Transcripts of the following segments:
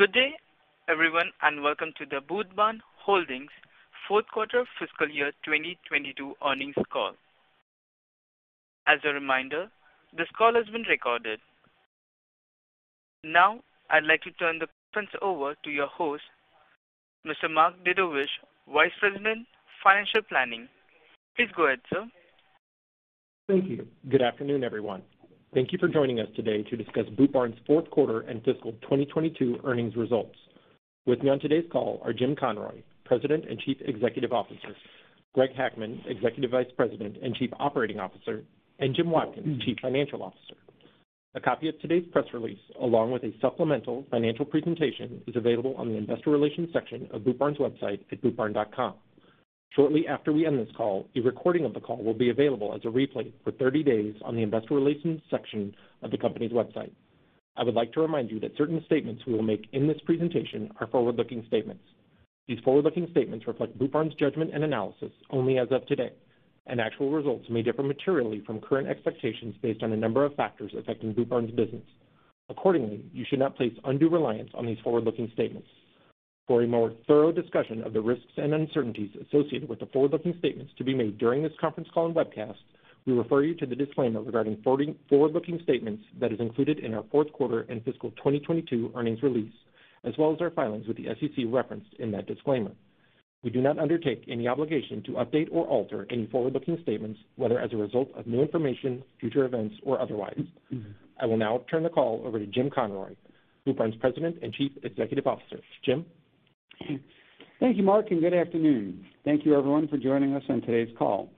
Good day, everyone, and welcome to the Boot Barn Holdings fourth quarter fiscal year 2022 earnings call. As a reminder, this call has been recorded. Now, I'd like to turn the conference over to your host, Mr. Mark Dedde, Vice President, Financial Planning. Please go ahead, sir. Thank you. Good afternoon, everyone. Thank you for joining us today to discuss Boot Barn's fourth quarter and fiscal 2022 earnings results. With me on today's call are Jim Conroy, President and Chief Executive Officer, Greg Hackman, Executive Vice President and Chief Operating Officer, and Jim Watkins, Chief Financial Officer. A copy of today's press release, along with a supplemental financial presentation, is available on the investor relations section of Boot Barn's website at bootbarn.com. Shortly after we end this call, a recording of the call will be available as a replay for 30 days on the investor relations section of the company's website. I would like to remind you that certain statements we will make in this presentation are forward-looking statements. These forward-looking statements reflect Boot Barn's judgment and analysis only as of today, and actual results may differ materially from current expectations based on a number of factors affecting Boot Barn's business. Accordingly, you should not place undue reliance on these forward-looking statements. For a more thorough discussion of the risks and uncertainties associated with the forward-looking statements to be made during this conference call and webcast, we refer you to the disclaimer regarding forward-looking statements that is included in our fourth quarter and fiscal 2022 earnings release, as well as our filings with the SEC referenced in that disclaimer. We do not undertake any obligation to update or alter any forward-looking statements, whether as a result of new information, future events, or otherwise. I will now turn the call over to Jim Conroy, Boot Barn's President and Chief Executive Officer. Jim. Thank you, Mark, and good afternoon. Thank you everyone for joining us on today's call.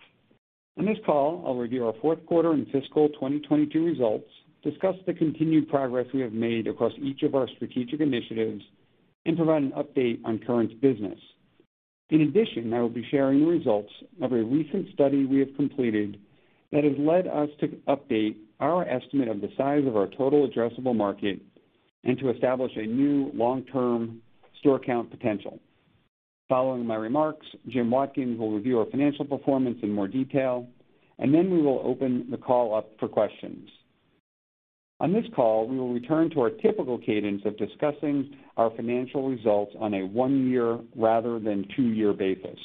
On this call, I'll review our fourth quarter and fiscal 2022 results, discuss the continued progress we have made across each of our strategic initiatives, and provide an update on current business. In addition, I will be sharing the results of a recent study we have completed that has led us to update our estimate of the size of our total addressable market and to establish a new long-term store count potential. Following my remarks, Jim Watkins will review our financial performance in more detail, and then we will open the call up for questions. On this call, we will return to our typical cadence of discussing our financial results on a one-year rather than two-year basis.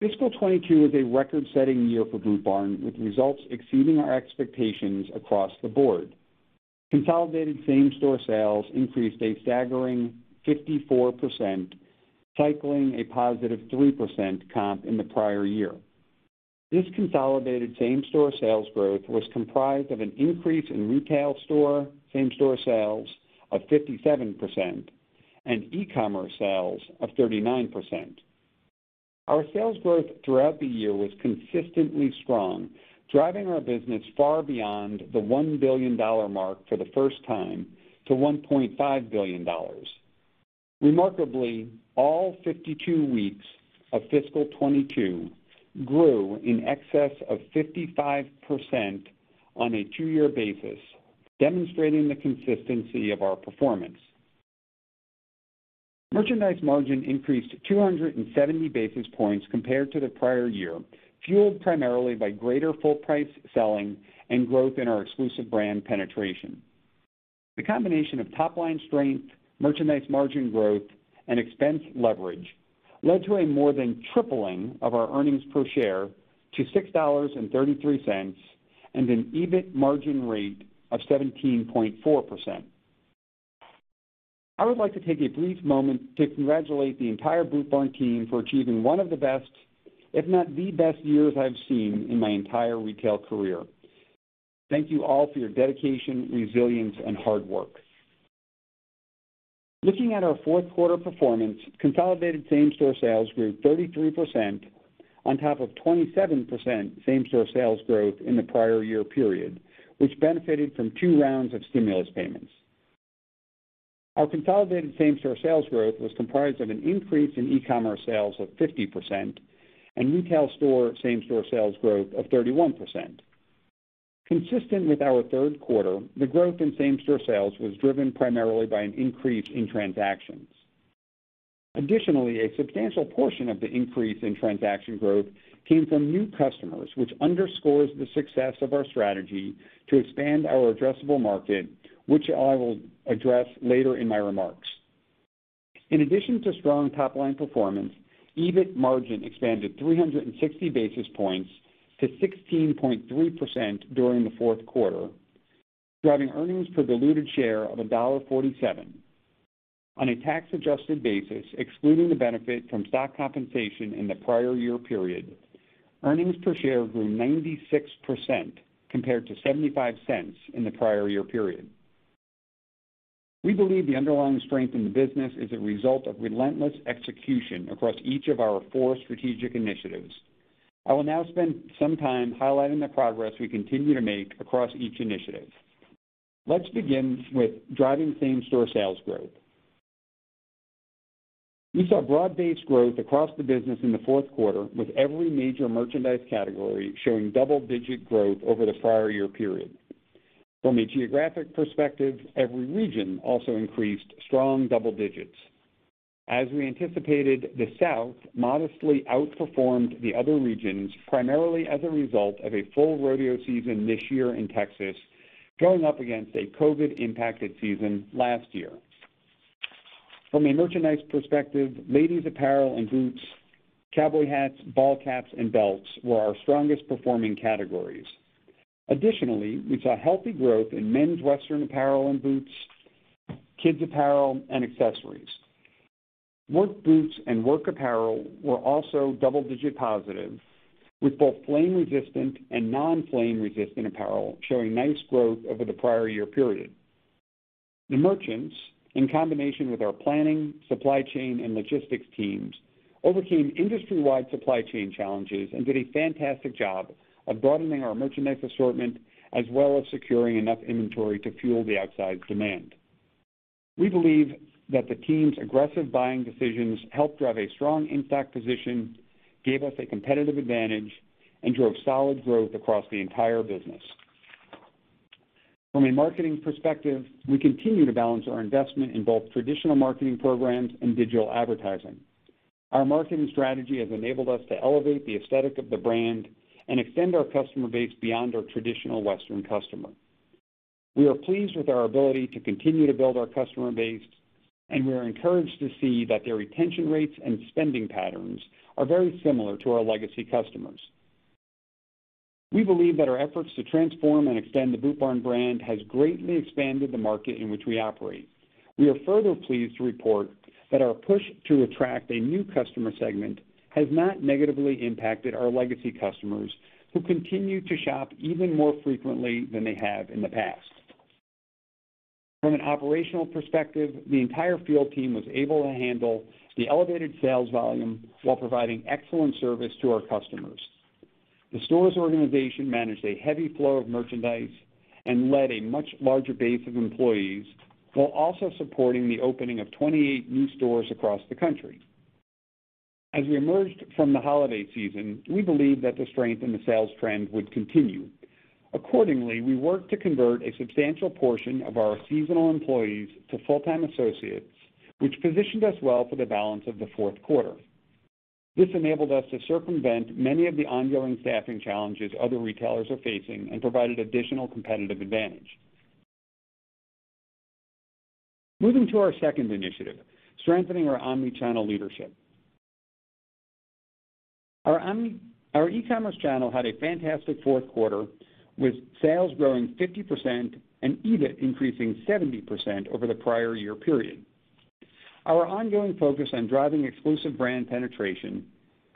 Fiscal 2022 is a record-setting year for Boot Barn, with results exceeding our expectations across the board. Consolidated same-store sales increased a staggering 54%, cycling a positive 3% comp in the prior year. This consolidated same-store sales growth was comprised of an increase in retail store same-store sales of 57% and e-commerce sales of 39%. Our sales growth throughout the year was consistently strong, driving our business far beyond the $1 billion mark for the first time to $1.5 billion. Remarkably, all 52 weeks of fiscal 2022 grew in excess of 55% on a two-year basis, demonstrating the consistency of our performance. Merchandise margin increased 270 basis points compared to the prior year, fueled primarily by greater full price selling and growth in our exclusive brand penetration. The combination of top-line strength, merchandise margin growth, and expense leverage led to a more than tripling of our earnings per share to $6.33, and an EBIT margin rate of 17.4%. I would like to take a brief moment to congratulate the entire Boot Barn team for achieving one of the best, if not the best years I've seen in my entire retail career. Thank you all for your dedication, resilience, and hard work. Looking at our fourth quarter performance, consolidated same-store sales grew 33% on top of 27% same-store sales growth in the prior year period, which benefited from two rounds of stimulus payments. Our consolidated same-store sales growth was comprised of an increase in e-commerce sales of 50% and retail store same-store sales growth of 31%. Consistent with our third quarter, the growth in same-store sales was driven primarily by an increase in transactions. Additionally, a substantial portion of the increase in transaction growth came from new customers, which underscores the success of our strategy to expand our addressable market, which I will address later in my remarks. In addition to strong top-line performance, EBIT margin expanded 360 basis points to 16.3% during the fourth quarter, driving earnings per diluted share of $1.47. On a tax-adjusted basis, excluding the benefit from stock compensation in the prior year period, earnings per share grew 96% compared to $0.75 in the prior year period. We believe the underlying strength in the business is a result of relentless execution across each of our four strategic initiatives. I will now spend some time highlighting the progress we continue to make across each initiative. Let's begin with driving same-store sales growth. We saw broad-based growth across the business in the fourth quarter, with every major merchandise category showing double-digit growth over the prior year period. From a geographic perspective, every region also increased strong double digits. As we anticipated, the South modestly outperformed the other regions primarily as a result of a full rodeo season this year in Texas, going up against a COVID-impacted season last year. From a merchandise perspective, ladies apparel and boots, cowboy hats, ball caps, and belts were our strongest performing categories. Additionally, we saw healthy growth in men's Western apparel and boots, kids apparel, and accessories. Work boots and work apparel were also double-digit positive, with both flame-resistant and non-flame-resistant apparel showing nice growth over the prior year period. The merchants, in combination with our planning, supply chain, and logistics teams, overcame industry-wide supply chain challenges and did a fantastic job of broadening our merchandise assortment, as well as securing enough inventory to fuel the outsized demand. We believe that the team's aggressive buying decisions helped drive a strong in-stock position, gave us a competitive advantage, and drove solid growth across the entire business. From a marketing perspective, we continue to balance our investment in both traditional marketing programs and digital advertising. Our marketing strategy has enabled us to elevate the aesthetic of the brand and extend our customer base beyond our traditional Western customer. We are pleased with our ability to continue to build our customer base, and we are encouraged to see that their retention rates and spending patterns are very similar to our legacy customers. We believe that our efforts to transform and extend the Boot Barn brand has greatly expanded the market in which we operate. We are further pleased to report that our push to attract a new customer segment has not negatively impacted our legacy customers, who continue to shop even more frequently than they have in the past. From an operational perspective, the entire field team was able to handle the elevated sales volume while providing excellent service to our customers. The stores organization managed a heavy flow of merchandise and led a much larger base of employees while also supporting the opening of 28 new stores across the country. As we emerged from the holiday season, we believe that the strength in the sales trend would continue. Accordingly, we worked to convert a substantial portion of our seasonal employees to full-time associates, which positioned us well for the balance of the fourth quarter. This enabled us to circumvent many of the ongoing staffing challenges other retailers are facing and provided additional competitive advantage. Moving to our second initiative, strengthening our omni-channel leadership. Our e-commerce channel had a fantastic fourth quarter, with sales growing 50% and EBIT increasing 70% over the prior year period. Our ongoing focus on driving exclusive brand penetration,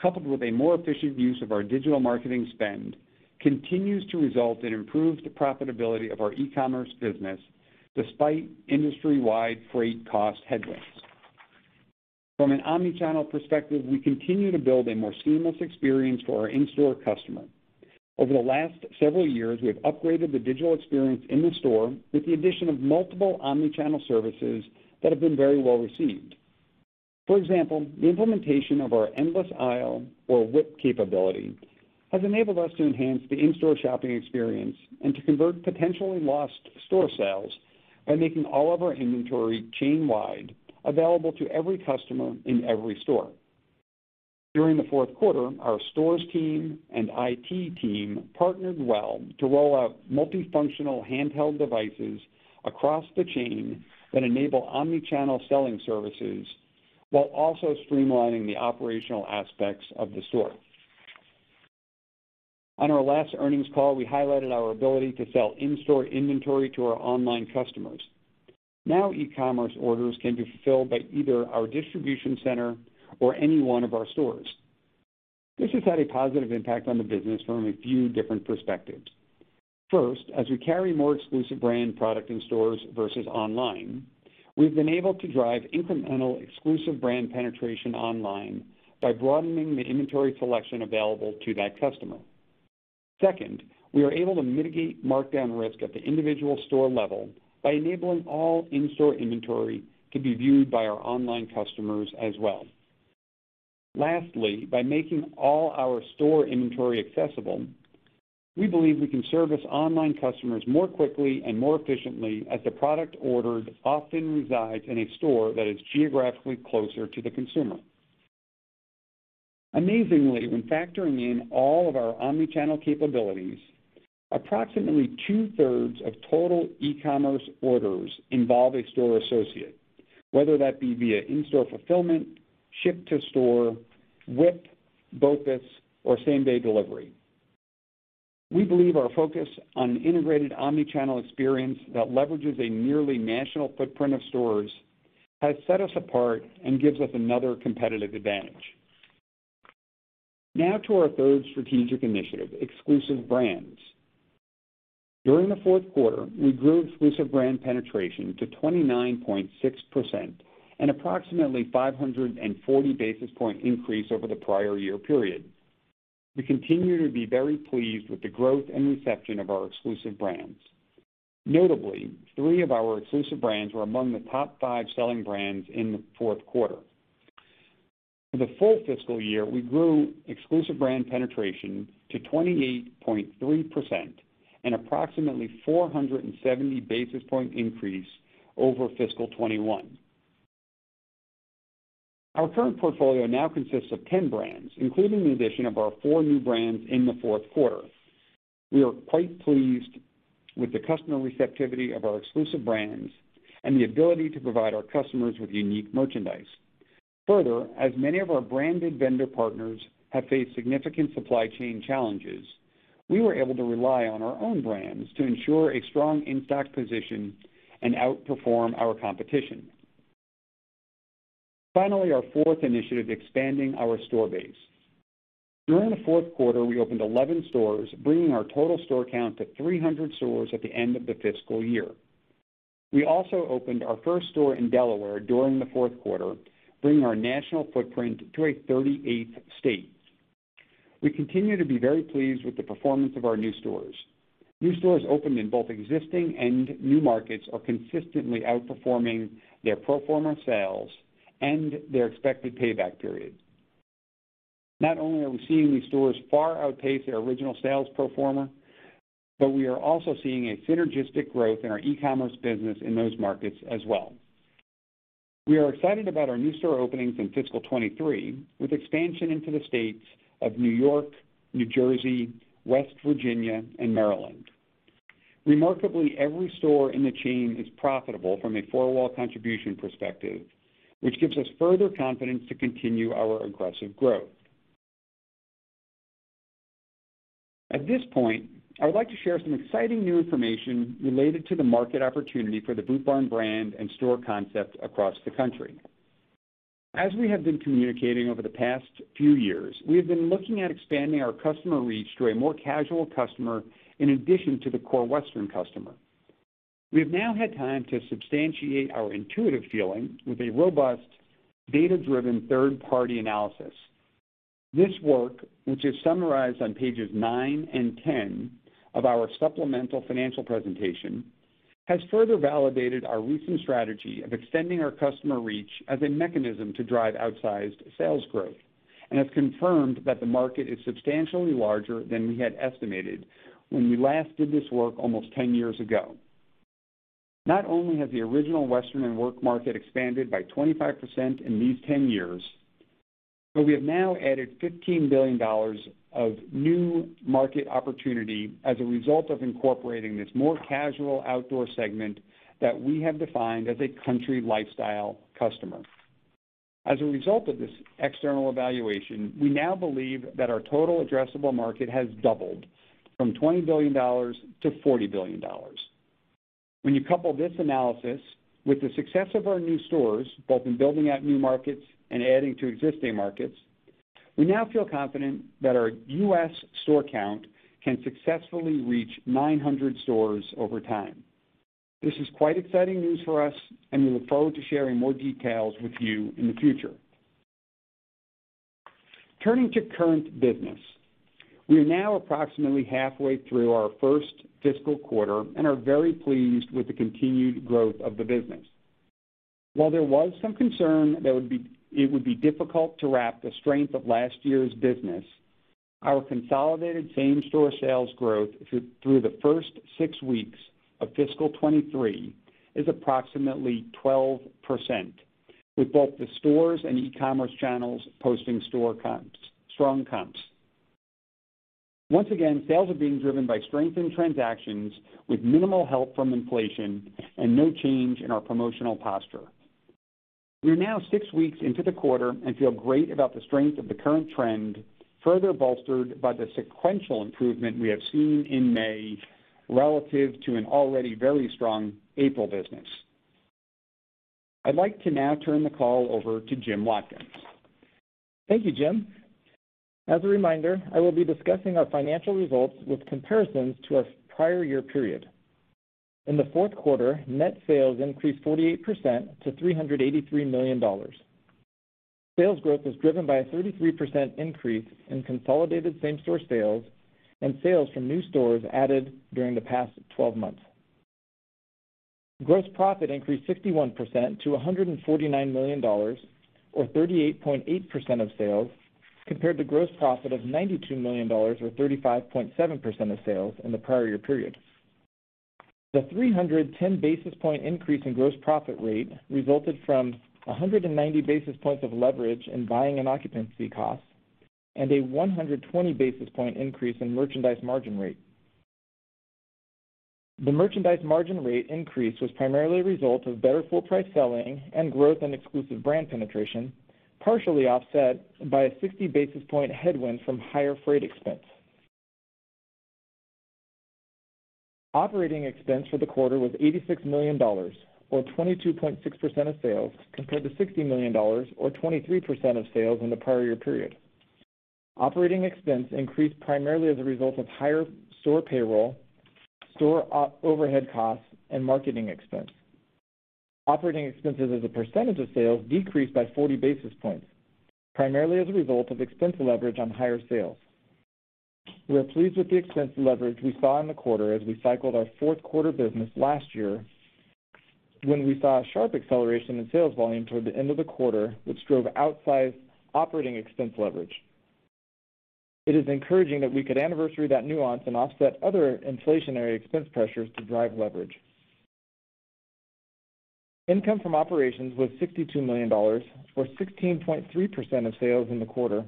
coupled with a more efficient use of our digital marketing spend, continues to result in improved profitability of our e-commerce business despite industry-wide freight cost headwinds. From an omni-channel perspective, we continue to build a more seamless experience for our in-store customer. Over the last several years, we have upgraded the digital experience in the store with the addition of multiple omni-channel services that have been very well-received. For example, the implementation of our endless aisle or WIP capability has enabled us to enhance the in-store shopping experience and to convert potentially lost store sales by making all of our inventory chain-wide available to every customer in every store. During the fourth quarter, our stores team and IT team partnered well to roll out multifunctional handheld devices across the chain that enable omni-channel selling services while also streamlining the operational aspects of the store. On our last earnings call, we highlighted our ability to sell in-store inventory to our online customers. Now, e-commerce orders can be fulfilled by either our distribution center or any one of our stores. This has had a positive impact on the business from a few different perspectives. First, as we carry more exclusive brand product in stores versus online, we've been able to drive incremental exclusive brand penetration online by broadening the inventory selection available to that customer. Second, we are able to mitigate markdown risk at the individual store level by enabling all in-store inventory to be viewed by our online customers as well. Lastly, by making all our store inventory accessible, we believe we can service online customers more quickly and more efficiently as the product ordered often resides in a store that is geographically closer to the consumer. Amazingly, when factoring in all of our omni-channel capabilities, approximately two-thirds of total e-commerce orders involve a store associate, whether that be via in-store fulfillment, ship to store, WIP, BOPUS, or same-day delivery. We believe our focus on integrated omni-channel experience that leverages a nearly national footprint of stores has set us apart and gives us another competitive advantage. Now to our third strategic initiative, exclusive brands. During the fourth quarter, we grew exclusive brand penetration to 29.6%, an approximately 540 basis point increase over the prior year period. We continue to be very pleased with the growth and reception of our exclusive brands. Notably, three of our exclusive brands were among the top five selling brands in the fourth quarter. For the full fiscal year, we grew exclusive brand penetration to 28.3%, an approximately 470 basis point increase over fiscal 2021. Our current portfolio now consists of 10 brands, including the addition of our four new brands in the fourth quarter. We are quite pleased with the customer receptivity of our exclusive brands and the ability to provide our customers with unique merchandise. Further, as many of our branded vendor partners have faced significant supply chain challenges, we were able to rely on our own brands to ensure a strong in-stock position and outperform our competition. Finally, our fourth initiative, expanding our store base. During the fourth quarter, we opened 11 stores, bringing our total store count to 300 stores at the end of the fiscal year. We also opened our first store in Delaware during the fourth quarter, bringing our national footprint to a 38th state. We continue to be very pleased with the performance of our new stores. New stores opened in both existing and new markets are consistently outperforming their pro forma sales and their expected payback period. Not only are we seeing these stores far outpace their original sales pro forma, but we are also seeing a synergistic growth in our e-commerce business in those markets as well. We are excited about our new store openings in fiscal 2023, with expansion into the states of New York, New Jersey, West Virginia, and Maryland. Remarkably, every store in the chain is profitable from a four-wall contribution perspective, which gives us further confidence to continue our aggressive growth. At this point, I would like to share some exciting new information related to the market opportunity for the Boot Barn brand and store concepts across the country. As we have been communicating over the past few years, we have been looking at expanding our customer reach to a more casual customer in addition to the core western customer. We've now had time to substantiate our intuitive feeling with a robust data-driven third-party analysis. This work, which is summarized on pages 9 and 10 of our supplemental financial presentation, has further validated our recent strategy of extending our customer reach as a mechanism to drive outsized sales growth and has confirmed that the market is substantially larger than we had estimated when we last did this work almost 10 years ago. Not only has the original western and work market expanded by 25% in these 10 years, but we have now added $15 billion of new market opportunity as a result of incorporating this more casual outdoor segment that we have defined as a country lifestyle customer. As a result of this external evaluation, we now believe that our total addressable market has doubled from $20 billion to $40 billion. When you couple this analysis with the success of our new stores, both in building out new markets and adding to existing markets, we now feel confident that our U.S. store count can successfully reach 900 stores over time. This is quite exciting news for us, and we look forward to sharing more details with you in the future. Turning to current business. We are now approximately halfway through our first fiscal quarter and are very pleased with the continued growth of the business. While there was some concern it would be difficult to comp the strength of last year's business, our consolidated same-store sales growth through the first 6 weeks of fiscal 2023 is approximately 12%, with both the stores and e-commerce channels posting strong comps. Once again, sales are being driven by strength in transactions with minimal help from inflation and no change in our promotional posture. We are now six weeks into the quarter and feel great about the strength of the current trend, further bolstered by the sequential improvement we have seen in May relative to an already very strong April business. I'd like to now turn the call over to Jim Watkins. Thank you, Jim. As a reminder, I will be discussing our financial results with comparisons to our prior year period. In the fourth quarter, net sales increased 48% to $383 million. Sales growth was driven by a 33% increase in consolidated same-store sales and sales from new stores added during the past 12 months. Gross profit increased 61% to $149 million or 38.8% of sales, compared to gross profit of $92 million or 35.7% of sales in the prior year period. The 310 basis point increase in gross profit rate resulted from 190 basis points of leverage in buying and occupancy costs and a 120 basis point increase in merchandise margin rate. The merchandise margin rate increase was primarily a result of better full price selling and growth in exclusive brand penetration, partially offset by a 60 basis point headwind from higher freight expense. Operating expense for the quarter was $86 million or 22.6% of sales, compared to $60 million or 23% of sales in the prior year period. Operating expense increased primarily as a result of higher store payroll, store overhead costs, and marketing expense. Operating expenses as a percentage of sales decreased by 40 basis points, primarily as a result of expense leverage on higher sales. We are pleased with the expense leverage we saw in the quarter as we cycled our fourth quarter business last year when we saw a sharp acceleration in sales volume toward the end of the quarter, which drove outsized operating expense leverage. It is encouraging that we could anniversary that nuance and offset other inflationary expense pressures to drive leverage. Income from operations was $62 million or 16.3% of sales in the quarter,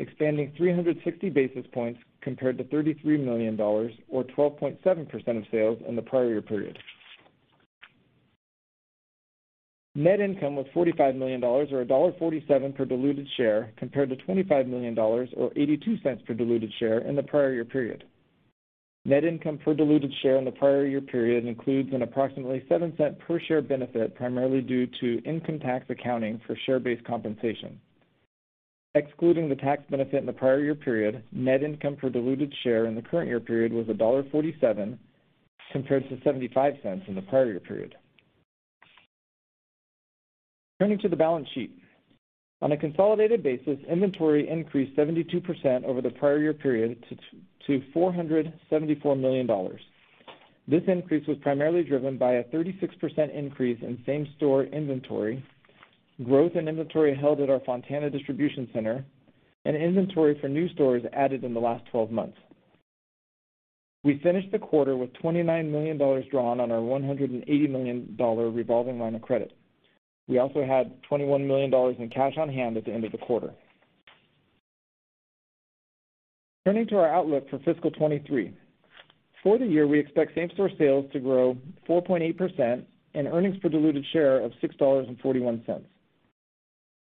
expanding 360 basis points compared to $33 million or 12.7% of sales in the prior year period. Net income was $45 million or $1.47 per diluted share, compared to $25 million or $0.82 per diluted share in the prior year period. Net income per diluted share in the prior year period includes an approximately $0.07 per share benefit, primarily due to income tax accounting for share-based compensation. Excluding the tax benefit in the prior year period, net income per diluted share in the current year period was $1.47 compared to $0.75 in the prior year period. Turning to the balance sheet. On a consolidated basis, inventory increased 72% over the prior year period to $474 million. This increase was primarily driven by a 36% increase in same-store inventory, growth in inventory held at our Fontana distribution center, and inventory for new stores added in the last twelve months. We finished the quarter with $29 million drawn on our $180 million revolving line of credit. We also had $21 million in cash on-hand at the end of the quarter. Turning to our outlook for fiscal 2023. For the year, we expect same-store sales to grow 4.8% and earnings per diluted share of $6.41.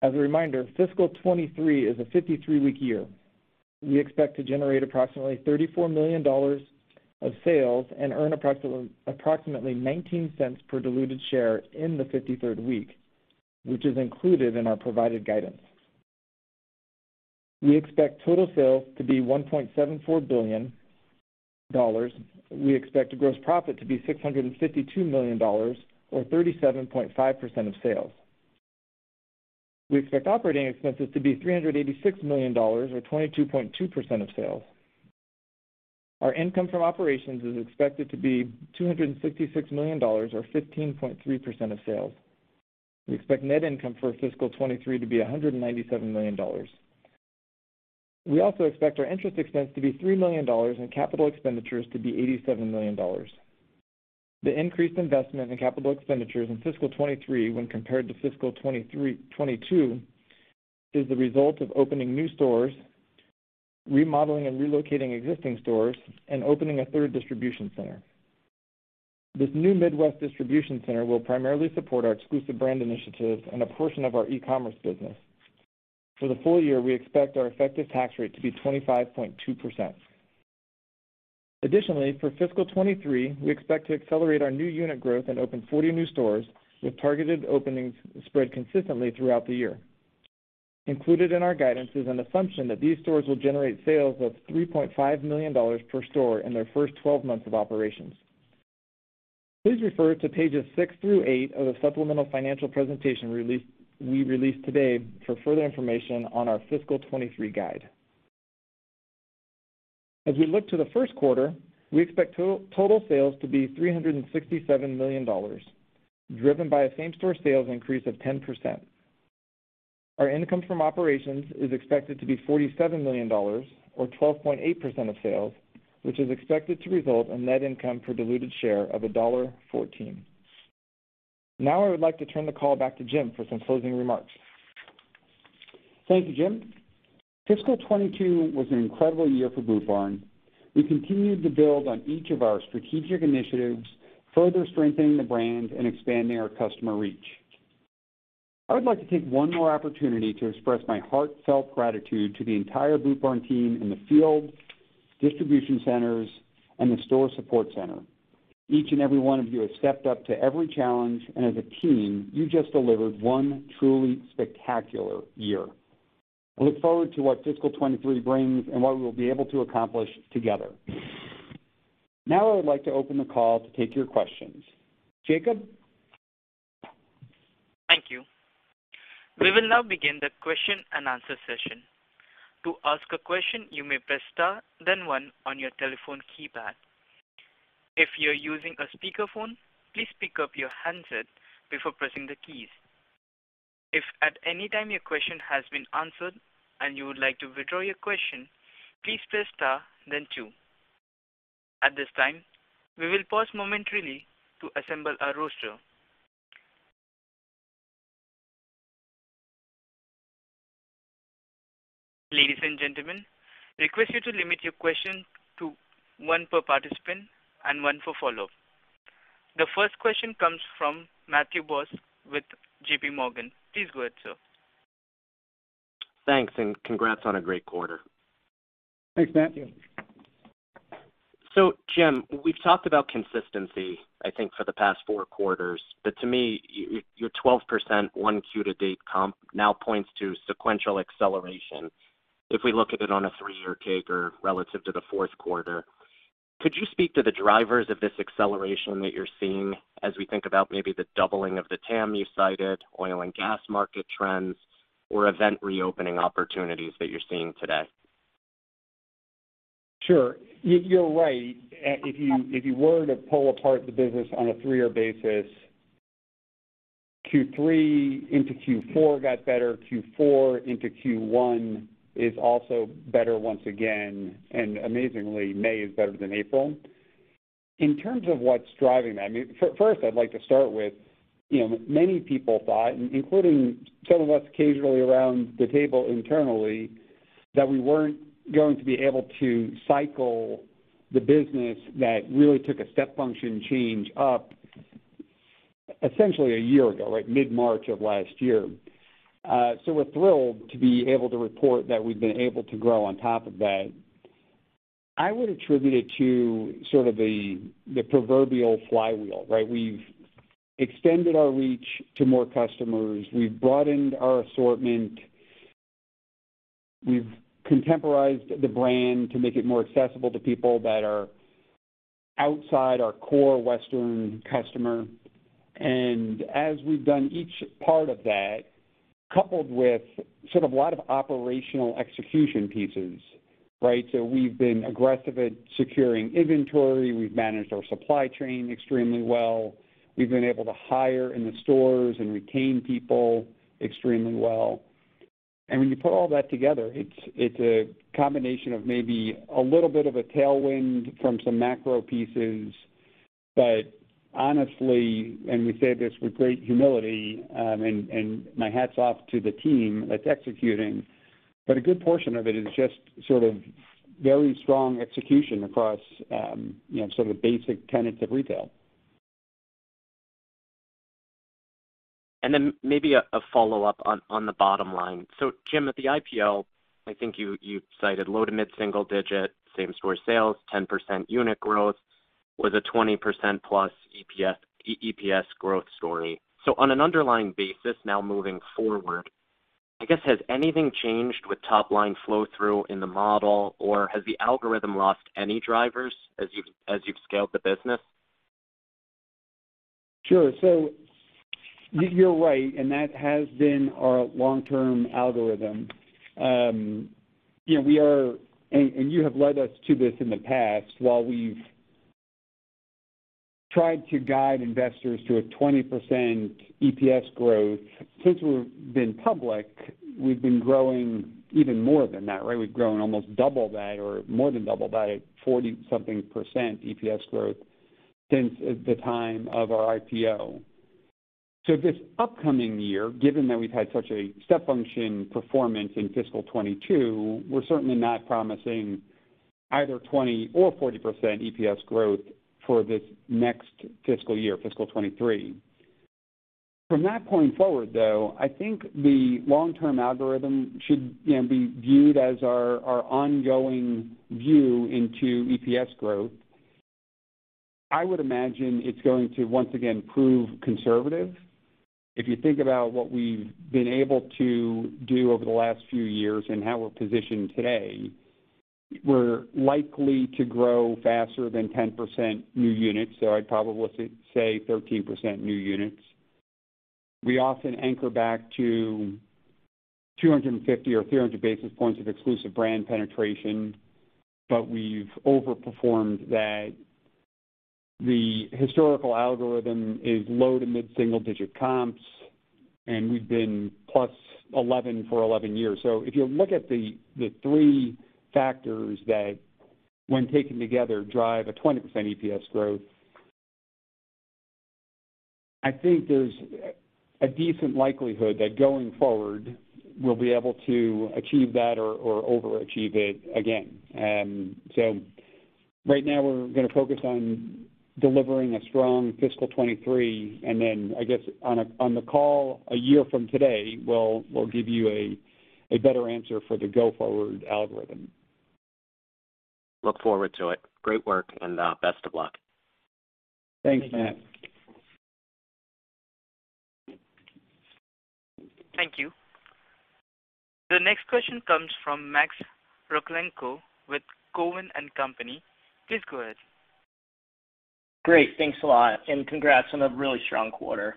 As a reminder, fiscal 2023 is a 53-week year. We expect to generate approximately $34 million of sales and earn approximately $0.19 per diluted share in the 53rd week, which is included in our provided guidance. We expect total sales to be $1.74 billion. We expect gross profit to be $652 million or 37.5% of sales. We expect operating expenses to be $386 million or 22.2% of sales. Our income from operations is expected to be $266 million or 15.3% of sales. We expect net income for fiscal 2023 to be $197 million. We also expect our interest expense to be $3 million and capital expenditures to be $87 million. The increased investment in capital expenditures in fiscal 2023 when compared to fiscal 2022 is the result of opening new stores, remodeling and relocating existing stores, and opening a third distribution center. This new Midwest distribution center will primarily support our exclusive brand initiatives and a portion of our e-commerce business. For the full year, we expect our effective tax rate to be 25.2%. Additionally, for fiscal 2023, we expect to accelerate our new unit growth and open 40 new stores with targeted openings spread consistently throughout the year. Included in our guidance is an assumption that these stores will generate sales of $3.5 million per store in their first 12 months of operations. Please refer to pages 6 through 8 of the supplemental financial presentation we released today for further information on our fiscal 2023 guide. As we look to the first quarter, we expect total sales to be $367 million, driven by a same-store sales increase of 10%. Our income from operations is expected to be $47 million or 12.8% of sales, which is expected to result in net income per diluted share of $1.14. Now I would like to turn the call back to Jim for some closing remarks. Thank you, Jim. Fiscal 2022 was an incredible year for Boot Barn. We continued to build on each of our strategic initiatives, further strengthening the brand and expanding our customer reach. I would like to take one more opportunity to express my heartfelt gratitude to the entire Boot Barn team in the field, distribution centers, and the store support center. Each and every one of you have stepped up to every challenge, and as a team, you just delivered one truly spectacular year. I look forward to what Fiscal 2023 brings and what we will be able to accomplish together. Now, I would like to open the call to take your questions. Jacob. Thank you. We will now begin the question and answer session. To ask a question, you may press Star, then one on your telephone keypad. If you're using a speakerphone, please pick up your handset before pressing the keys. If at any time your question has been answered and you would like to withdraw your question, please press Star then two. At this time, we will pause momentarily to assemble our roster. Ladies and gentlemen, request you to limit your question to one per participant and one for follow. The first question comes from Matthew Boss with JPMorgan. Please go ahead, sir. Thanks, and congrats on a great quarter. Thanks, Matthew. Jim, we've talked about consistency, I think, for the past four quarters, but to me, your 12% 1Q-to-date comp now points to sequential acceleration if we look at it on a three-year CAGR relative to the fourth quarter. Could you speak to the drivers of this acceleration that you're seeing as we think about maybe the doubling of the TAM you cited, oil and gas market trends or event reopening opportunities that you're seeing today? Sure. You're right. If you were to pull apart the business on a three-year basis, Q3 into Q4 got better, Q4 into Q1 is also better once again, and amazingly, May is better than April. In terms of what's driving that, first, I'd like to start with, many people thought, including some of us occasionally around the table internally, that we weren't going to be able to cycle the business that really took a step function change up essentially a year ago, right? Mid-March of last year. We're thrilled to be able to report that we've been able to grow on top of that. I would attribute it to sort of the proverbial flywheel, right? We've extended our reach to more customers. We've broadened our assortment. We've contemporized the brand to make it more accessible to people that are outside our core Western customer. As we've done each part of that, coupled with sort of a lot of operational execution pieces, right? We've been aggressive at securing inventory. We've managed our supply chain extremely well. We've been able to hire in the stores and retain people extremely well. When you put all that together, it's a combination of maybe a little bit of a tailwind from some macro pieces. Honestly, and we say this with great humility, and my hats off to the team that's executing, but a good portion of it is just sort of very strong execution across, you know, sort of the basic tenets of retail. Maybe a follow-up on the bottom line. Jim, at the IPO, I think you cited low- to mid-single-digit same-store sales, 10% unit growth with a 20%+ EPS growth story. On an underlying basis now moving forward, I guess, has anything changed with top-line flow-through in the model, or has the algorithm lost any drivers as you've scaled the business? You're right, and that has been our long-term algorithm. You have led us to this in the past, while we've tried to guide investors to a 20% EPS growth. Since we've been public, we've been growing even more than that, right? We've grown almost double that or more than double that at 40-something% EPS growth since the time of our IPO. This upcoming year, given that we've had such a step function performance in fiscal 2022, we're certainly not promising either 20% or 40% EPS growth for this next fiscal year, fiscal 2023. From that point forward, though, I think the long-term algorithm should, you know, be viewed as our ongoing view into EPS growth. I would imagine it's going to once again prove conservative. If you think about what we've been able to do over the last few years and how we're positioned today, we're likely to grow faster than 10% new units. I'd probably say 13% new units. We often anchor back to 250 or 300 basis points of exclusive brand penetration, but we've overperformed that. The historical algorithm is low- to mid-single-digit comps, and we've been +11% for 11 years. If you look at the three factors that when taken together, drive a 20% EPS growth, I think there's a decent likelihood that going forward, we'll be able to achieve that or overachieve it again. Right now we're going to focus on delivering a strong fiscal 2023, and then I guess on the call a year from today, we'll give you a better answer for the go-forward algorithm. Look forward to it. Great work, and best of luck. Thanks, Matt. Thank you. The next question comes from Max Rakhlenko with Cowen and Company. Please go ahead. Great. Thanks a lot and congrats on a really strong quarter.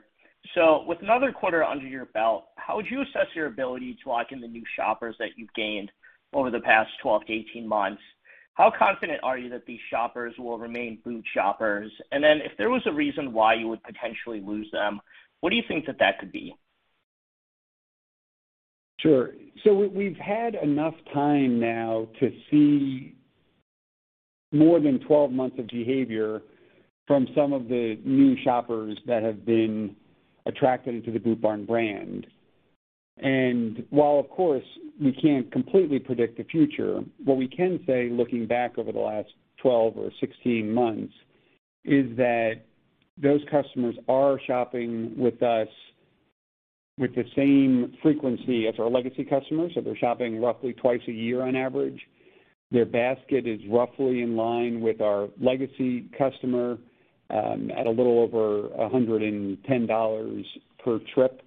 With another quarter under your belt, how would you assess your ability to lock in the new shoppers that you've gained over the past 12-18 months? How confident are you that these shoppers will remain boot shoppers? If there was a reason why you would potentially lose them, what do you think that could be? We've had enough time now to see more than 12 months of behavior from some of the new shoppers that have been attracted to the Boot Barn brand. While, of course, we can't completely predict the future, what we can say, looking back over the last 12 or 16 months, is that those customers are shopping with us with the same frequency as our legacy customers. They're shopping roughly 2 times a year on average. Their basket is roughly in line with our legacy customer at a little over $110 per trip.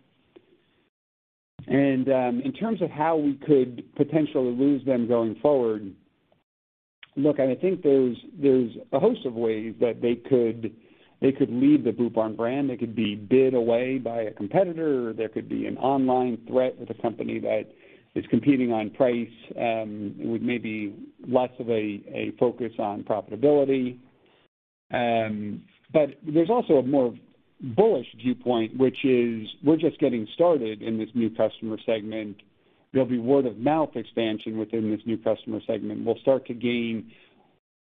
In terms of how we could potentially lose them going forward, look, I think there's a host of ways that they could leave the Boot Barn brand. They could be bid away by a competitor. There could be an online threat with a company that is competing on price, with maybe less of a focus on profitability. There's also a more bullish viewpoint, which is we're just getting started in this new customer segment. There'll be word-of-mouth expansion within this new customer segment. We'll start to gain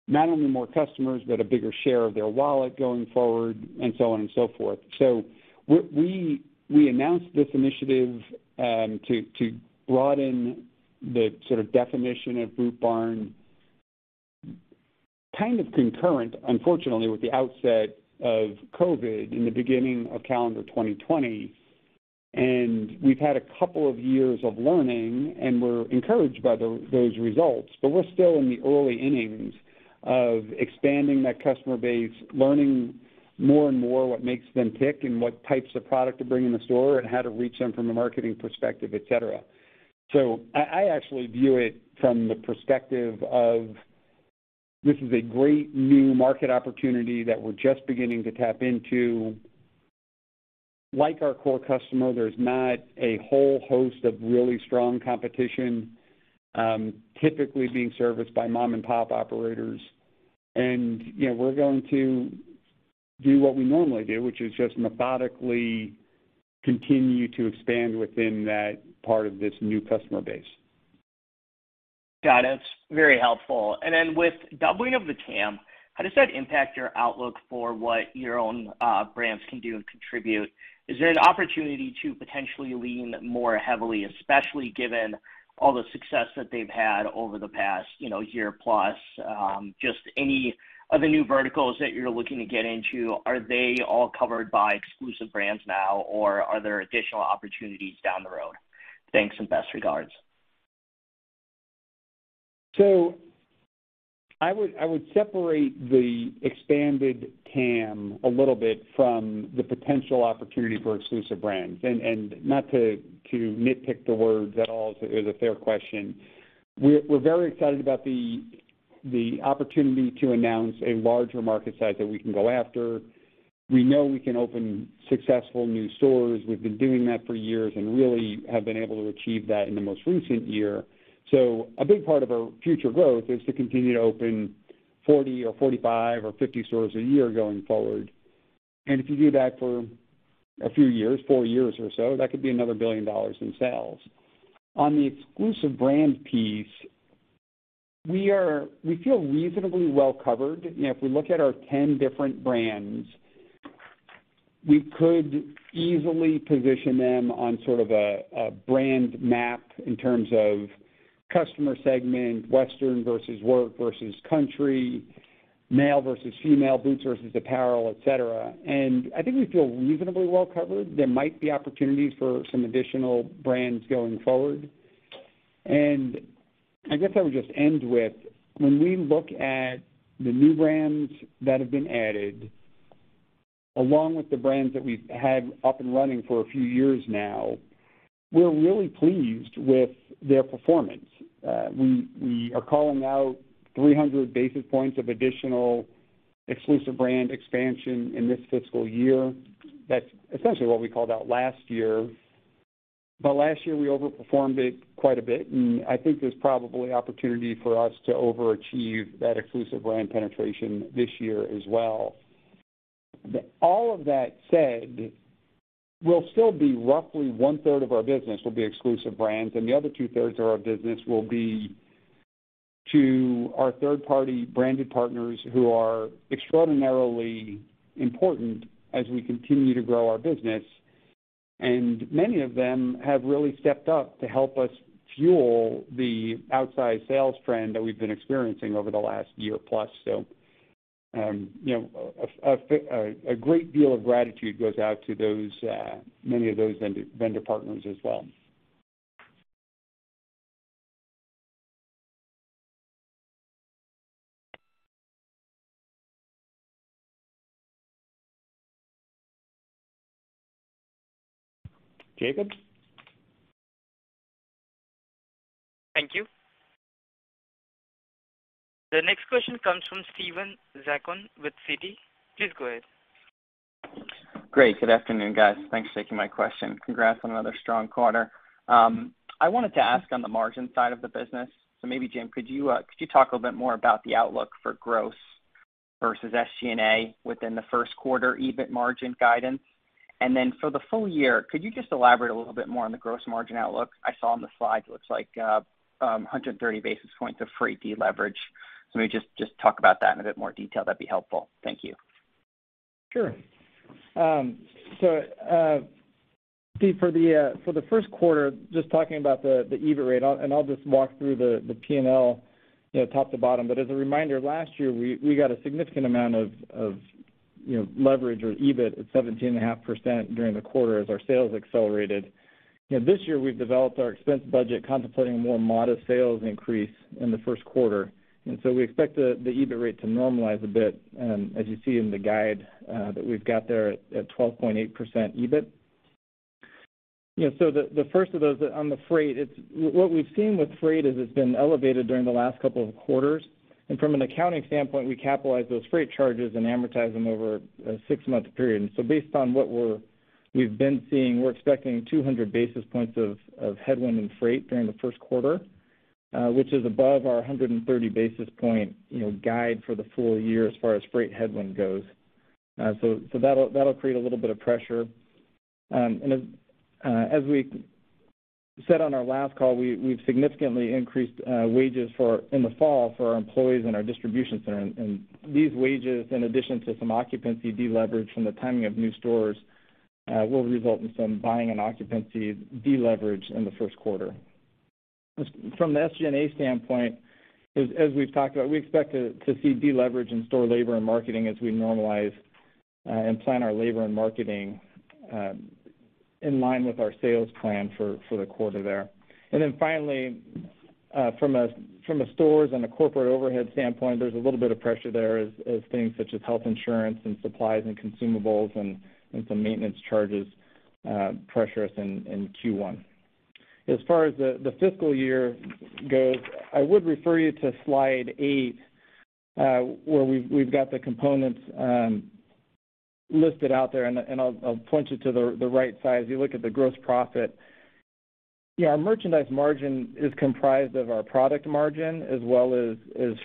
not only more customers but a bigger share of their wallet going forward and so on and so forth. We announced this initiative to broaden the sort of definition of Boot Barn kind of concurrent, unfortunately, with the outset of COVID in the beginning of calendar 2020. We've had a couple of years of learning, and we're encouraged by those results. We're still in the early innings of expanding that customer base, learning more and more what makes them tick and what types of product to bring in the store and how to reach them from a marketing perspective, et cetera. I actually view it from the perspective of this is a great new market opportunity that we're just beginning to tap into. Like our core customer, there's not a whole host of really strong competition, typically being serviced by mom-and-pop operators. You know, we're going to do what we normally do, which is just methodically continue to expand within that part of this new customer base. Got it. Very helpful. With doubling of the TAM, how does that impact your outlook for what your own brands can do and contribute? Is there an opportunity to potentially lean more heavily, especially given all the success that they've had over the past, you know, year-plus? just any other new verticals that you're looking to get into, are they all covered by exclusive brands now, or are there additional opportunities down the road? Thanks, and best regards. I would separate the expanded TAM a little bit from the potential opportunity for exclusive brands. Not to nitpick the words at all. It was a fair question. We are very excited about the opportunity to announce a larger market size that we can go after. We know we can open successful new stores. We have been doing that for years and really have been able to achieve that in the most recent year. A big part of our future growth is to continue to open 40 or 45 or 50 stores a year going forward. If you do that for a few years, 4 years or so, that could be another $1 billion in sales. On the exclusive brand piece, we are. We feel reasonably well covered. You know, if we look at our 10 different brands, we could easily position them on sort of a brand map in terms of customer segment, western versus work versus country, male versus female, boots versus apparel, et cetera. I think we feel reasonably well covered. There might be opportunities for some additional brands going forward. I guess I would just end with, when we look at the new brands that have been added, along with the brands that we've had up and running for a few years now, we're really pleased with their performance. We are calling out 300 basis points of additional exclusive brand expansion in this fiscal year. That's essentially what we called out last year. Last year, we overperformed it quite a bit, and I think there's probably opportunity for us to overachieve that exclusive brand penetration this year as well. All of that said, we'll still be roughly one-third of our business will be exclusive brands, and the other two-thirds of our business will be to our third-party branded partners who are extraordinarily important as we continue to grow our business. Many of them have really stepped up to help us fuel the outsize sales trend that we've been experiencing over the last year plus. You know, a great deal of gratitude goes out to many of those vendor partners as well. Jacob? Thank you. The next question comes from Steven Zaccone with Citi. Please go ahead. Great. Good afternoon, guys. Thanks for taking my question. Congrats on another strong quarter. I wanted to ask on the margin side of the business. Maybe, Jim, could you talk a little bit more about the outlook for growth versus SG&A within the first quarter EBIT margin guidance? And then for the full year, could you just elaborate a little bit more on the gross margin outlook? I saw on the slide it looks like 130 basis points of freight deleverage. Maybe just talk about that in a bit more detail, that'd be helpful. Thank you. Sure. So, Steve, for the first quarter, just talking about the EBIT rate, and I'll just walk through the P&L, you know, top to bottom. As a reminder, last year, we got a significant amount of, you know, leverage or EBIT at 17.5% during the quarter as our sales accelerated. You know, this year we've developed our expense budget contemplating a more modest sales increase in the first quarter. We expect the EBIT rate to normalize a bit, as you see in the guide, that we've got there at 12.8% EBIT. You know, the first of those on the freight, what we've seen with freight is it's been elevated during the last couple of quarters. From an accounting standpoint, we capitalize those freight charges and amortize them over a six-month period. Based on what we've been seeing, we're expecting 200 basis points of headwind in freight during the first quarter, which is above our 130 basis point guide for the full year as far as freight headwind goes. So that'll create a little bit of pressure. As we said on our last call, we've significantly increased wages in the fall for our employees in our distribution center. These wages, in addition to some occupancy deleverage from the timing of new stores, will result in some buying and occupancy deleverage in the first quarter. From the SG&A standpoint, as we've talked about, we expect to see deleverage in store labor and marketing as we normalize and plan our labor and marketing in line with our sales plan for the quarter there. Then finally, from a stores and a corporate overhead standpoint, there's a little bit of pressure there as things such as health insurance and supplies and consumables and some maintenance charges pressure us in Q1. As far as the fiscal year goes, I would refer you to Slide 8, where we've got the components listed out there, and I'll point you to the right side as you look at the gross profit. Yeah, merchandise margin is comprised of our product margin as well as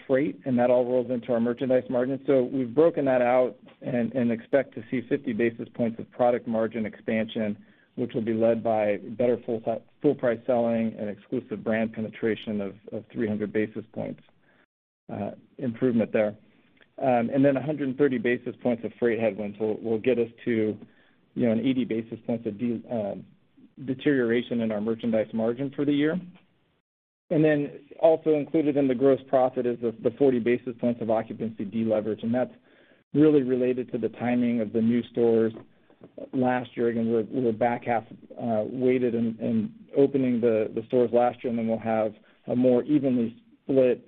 freight, and that all rolls into our merchandise margin. We've broken that out and expect to see 50 basis points of product margin expansion, which will be led by better full price selling and exclusive brand penetration of 300 basis points improvement there. And then 130 basis points of freight headwind will get us to, you know, 80 basis points of deterioration in our merchandise margin for the year. Then also included in the gross profit is the 40 basis points of occupancy deleverage, and that's really related to the timing of the new stores. Last year, again, we're back-half-weighted in opening the stores last year, and then we'll have a more evenly split,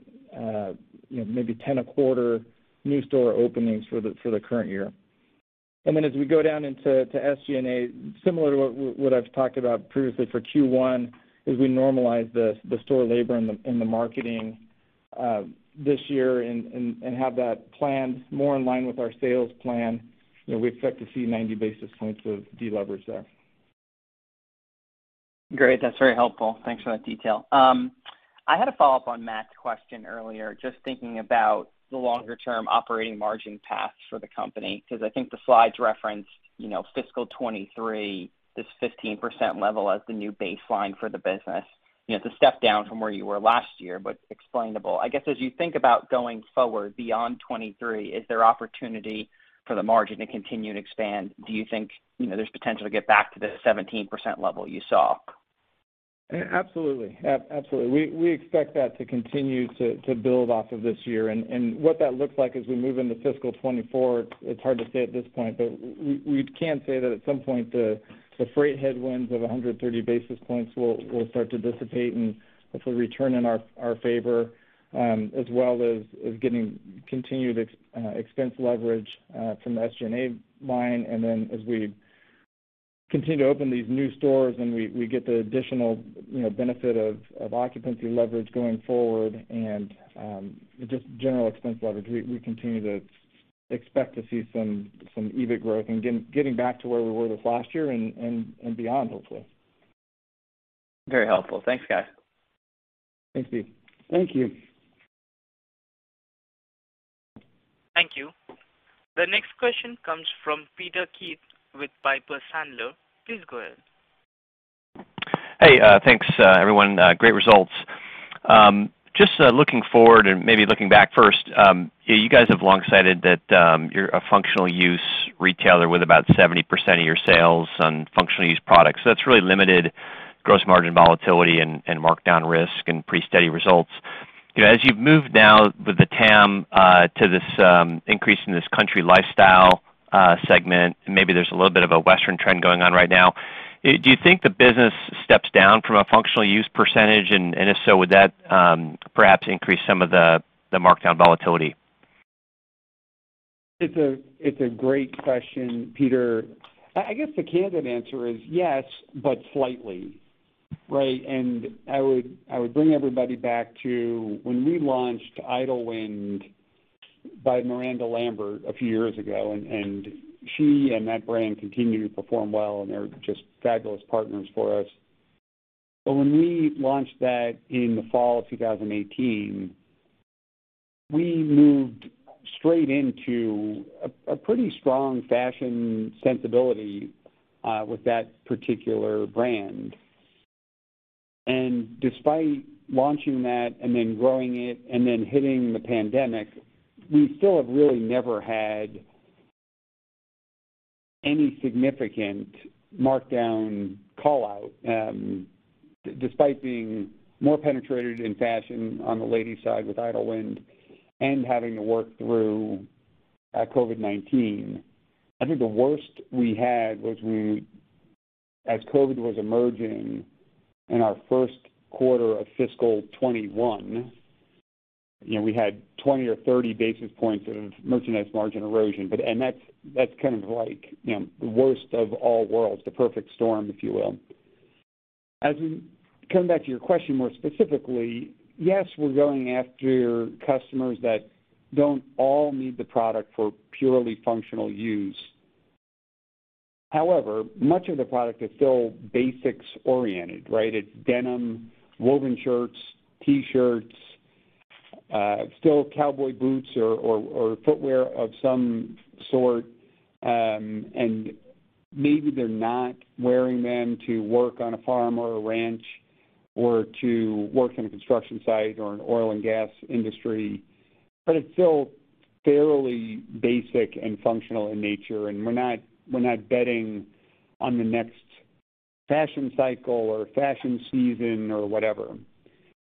you know, maybe 10 a quarter new store openings for the current year. Then as we go down into SG&A, similar to what I've talked about previously for Q1, as we normalize the store labor and the marketing this year and have that planned more in line with our sales plan, you know, we expect to see 90 basis points of deleverage there. Great. That's very helpful. Thanks for that detail. I had a follow-up on Matt's question earlier, just thinking about the longer term operating margin path for the company, 'cause I think the slides referenced, you know, fiscal 2023, this 15% level as the new baseline for the business. You know, it's a step down from where you were last year, but explainable. I guess, as you think about going forward beyond 2023, is there opportunity for the margin to continue to expand? Do you think, you know, there's potential to get back to the 17% level you saw? Absolutely. We expect that to continue to build off of this year. What that looks like as we move into fiscal 2024, it's hard to say at this point. We can say that at some point, the freight headwinds of 130 basis points will start to dissipate and hopefully return in our favor, as well as getting continued expense leverage from the SG&A line. As we continue to open these new stores and we get the additional, you know, benefit of occupancy leverage going forward and just general expense leverage, we continue to expect to see some EBIT growth and getting back to where we were this last year and beyond, hopefully. Very helpful. Thanks, guys. Thank you. Thank you. Thank you. The next question comes from Peter Keith with Piper Sandler. Please go ahead. Hey, thanks, everyone. Great results. Just looking forward and maybe looking back first. You guys have long cited that you're a functional-use retailer with about 70% of your sales on functional use products. So that's really limited gross margin volatility and markdown risk and pretty steady results. You know, as you've moved now with the TAM to this increase in this country lifestyle segment, and maybe there's a little bit of a Western trend going on right now, do you think the business steps down from a functional use percentage? And if so, would that perhaps increase some of the markdown volatility? It's a great question, Peter. I guess the candid answer is yes, but slightly, right? I would bring everybody back to when we launched Idyllwind by Miranda Lambert a few years ago, and she and that brand continue to perform well, and they're just fabulous partners for us. When we launched that in the fall of 2018, we moved straight into a pretty strong fashion sensibility with that particular brand. Despite launching that and then growing it and then hitting the pandemic, we still have really never had any significant markdown call-out, despite being more penetrated in fashion on the ladies side with Idyllwind and having to work through COVID-19. I think the worst we had was we. As COVID was emerging in our first quarter of fiscal 2021, you know, we had 20 or 30 basis points of merchandise margin erosion. That's kind of like, you know, the worst of all worlds, the perfect storm, if you will. As we come back to your question more specifically, yes, we're going after customers that don't all need the product for purely functional use. However, much of the product is still basics-oriented, right? It's denim, woven shirts, T-shirts, still cowboy boots or footwear of some sort. And maybe they're not wearing them to work on a farm or a ranch or to work in a construction site or an oil and gas industry, but it's still fairly basic and functional in nature, and we're not betting on the next fashion cycle or fashion season or whatever.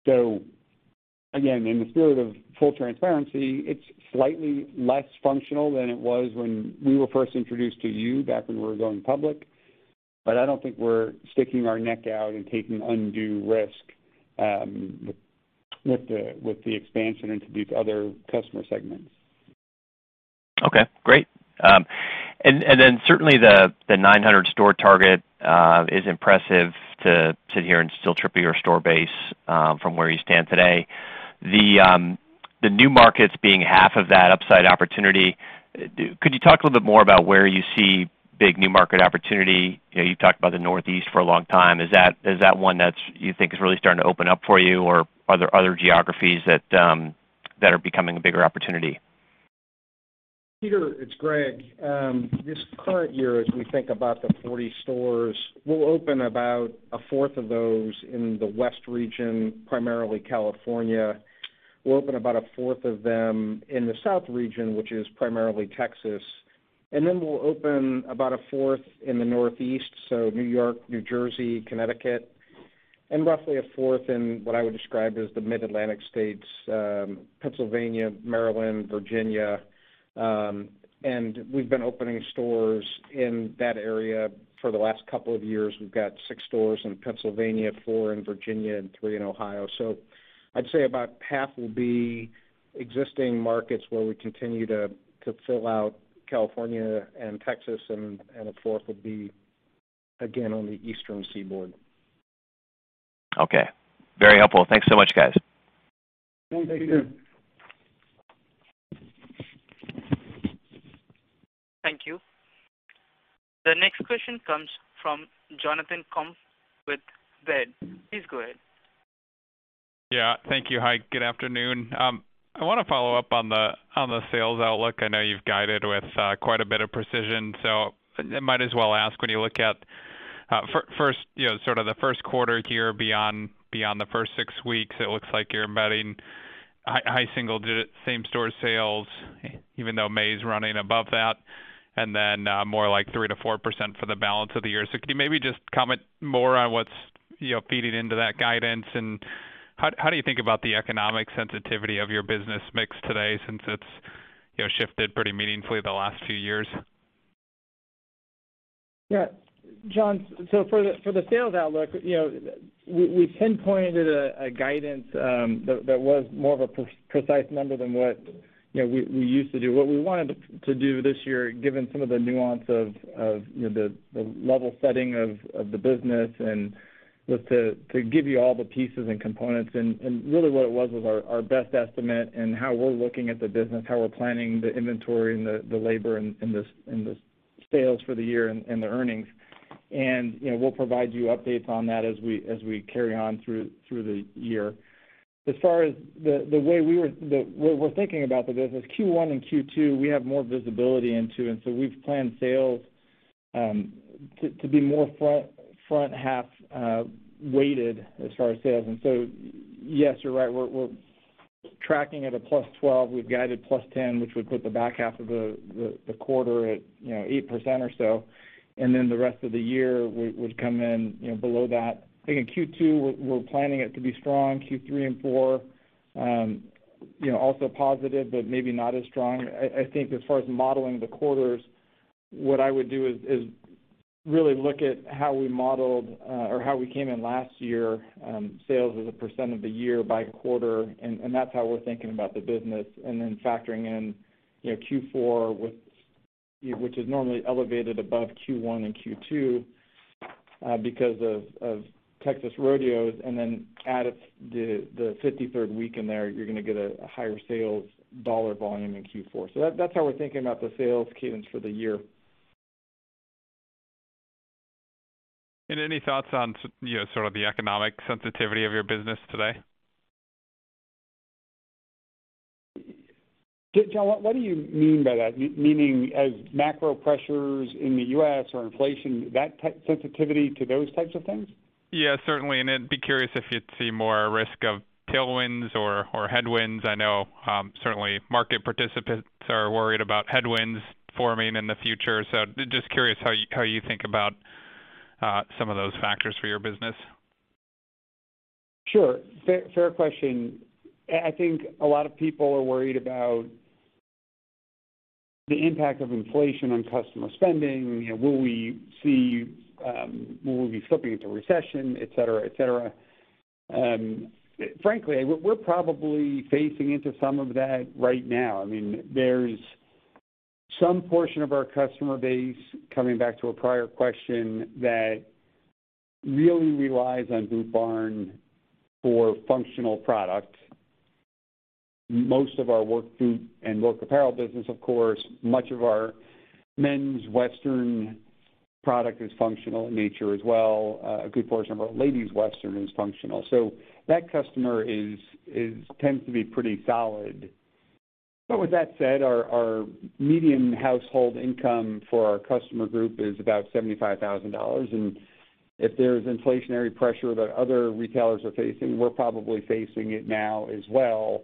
Again, in the spirit of full transparency, it's slightly less functional than it was when we were first introduced to you back when we were going public, but I don't think we're sticking our neck out and taking undue risk with the expansion into these other customer segments. Okay, great. Certainly the 900 store target is impressive to sit here and still triple your store base from where you stand today. The new markets being half of that upside opportunity, could you talk a little bit more about where you see big new market opportunity? You've talked about the Northeast for a long time. Is that one that you think is really starting to open up for you, or are there other geographies that are becoming a bigger opportunity? Peter, it's Greg. This current year, as we think about the 40 stores, we'll open about a fourth of those in the West region, primarily California. We'll open about a fourth of them in the South region, which is primarily Texas. We'll open about a fourth in the Northeast, so New York, New Jersey, Connecticut. Roughly a fourth in what I would describe as the Mid-Atlantic states, Pennsylvania, Maryland, Virginia, and we've been opening stores in that area for the last couple of years. We've got six stores in Pennsylvania, four in Virginia and three in Ohio. I'd say about half will be existing markets where we continue to fill out California and Texas and a fourth will be again on the Eastern Shigh sineaboard. Okay. Very helpful. Thanks so much, guys. Thank you. Thank you. The next question comes from Jonathan Komp with Baird. Please go ahead. Yeah. Thank you. Hi, good afternoon. I wanna follow up on the sales outlook. I know you've guided with quite a bit of precision, so I might as well ask when you look at first, you know, sort of the first quarter here beyond the first six weeks, it looks like you're embedding high single-digit same-store sales, even though May is running above that, and then more like 3%-4% for the balance of the year. Could you maybe just comment more on what's feeding into that guidance? How do you think about the economic sensitivity of your business mix today since it's shifted pretty meaningfully the last few years? Yeah. Jon, so for the sales outlook, you know, we pinpointed a guidance that was more of a precise number than what, you know, we used to do. What we wanted to do this year, given some of the nuance of, you know, the level-setting of the business, was to give you all the pieces and components and really what it was our best estimate and how we're looking at the business, how we're planning the inventory and the labor and the sales for the year and the earnings. You know, we'll provide you updates on that as we carry on through the year. As far as what we're thinking about the business, Q1 and Q2, we have more visibility into, and so we've planned sales to be more front half weighted as far as sales. Yes, you're right. We're tracking at +12%. We've guided +10%, which would put the back half of the year at, you know, 8% or so. Then the rest of the year would come in, you know, below that. I think in Q2, we're planning it to be strong. Q3 and Q4, you know, also positive but maybe not as strong. I think as far as modeling the quarters, what I would do is really look at how we modeled or how we came in last year, sales as a percent of the year by quarter, and that's how we're thinking about the business and then factoring in, you know, Q4 with which is normally elevated above Q1 and Q2, because of Texas rodeos and then add in the 53rd week in there, you're going to get a higher sales dollar volume in Q4. That's how we're thinking about the sales cadence for the year. Any thoughts on you know, sort of the economic sensitivity of your business today? Jon, what do you mean by that? Meaning, as macro pressures in the U.S. or inflation, that type of sensitivity to those types of things? Yeah, certainly. Then be curious if you'd see more risk of tailwinds or headwinds. I know, certainly market participants are worried about headwinds forming in the future. Just curious how you think about some of those factors for your business. Sure. Fair, fair question. I think a lot of people are worried about the impact of inflation on customer spending. You know, will we see? Will we be slipping into recession, et cetera, et cetera. Frankly, we're probably facing into some of that right now. I mean, there's some portion of our customer base, coming back to a prior question, that really relies on Boot Barn for functional product. Most of our work boot and work apparel business, of course, much of our men's Western product is functional in nature as well. A good portion of our ladies' Western is functional. So that customer tends to be pretty solid. But with that said, our median household income for our customer group is about $75,000. If there's inflationary pressure that other retailers are facing, we're probably facing it now as well.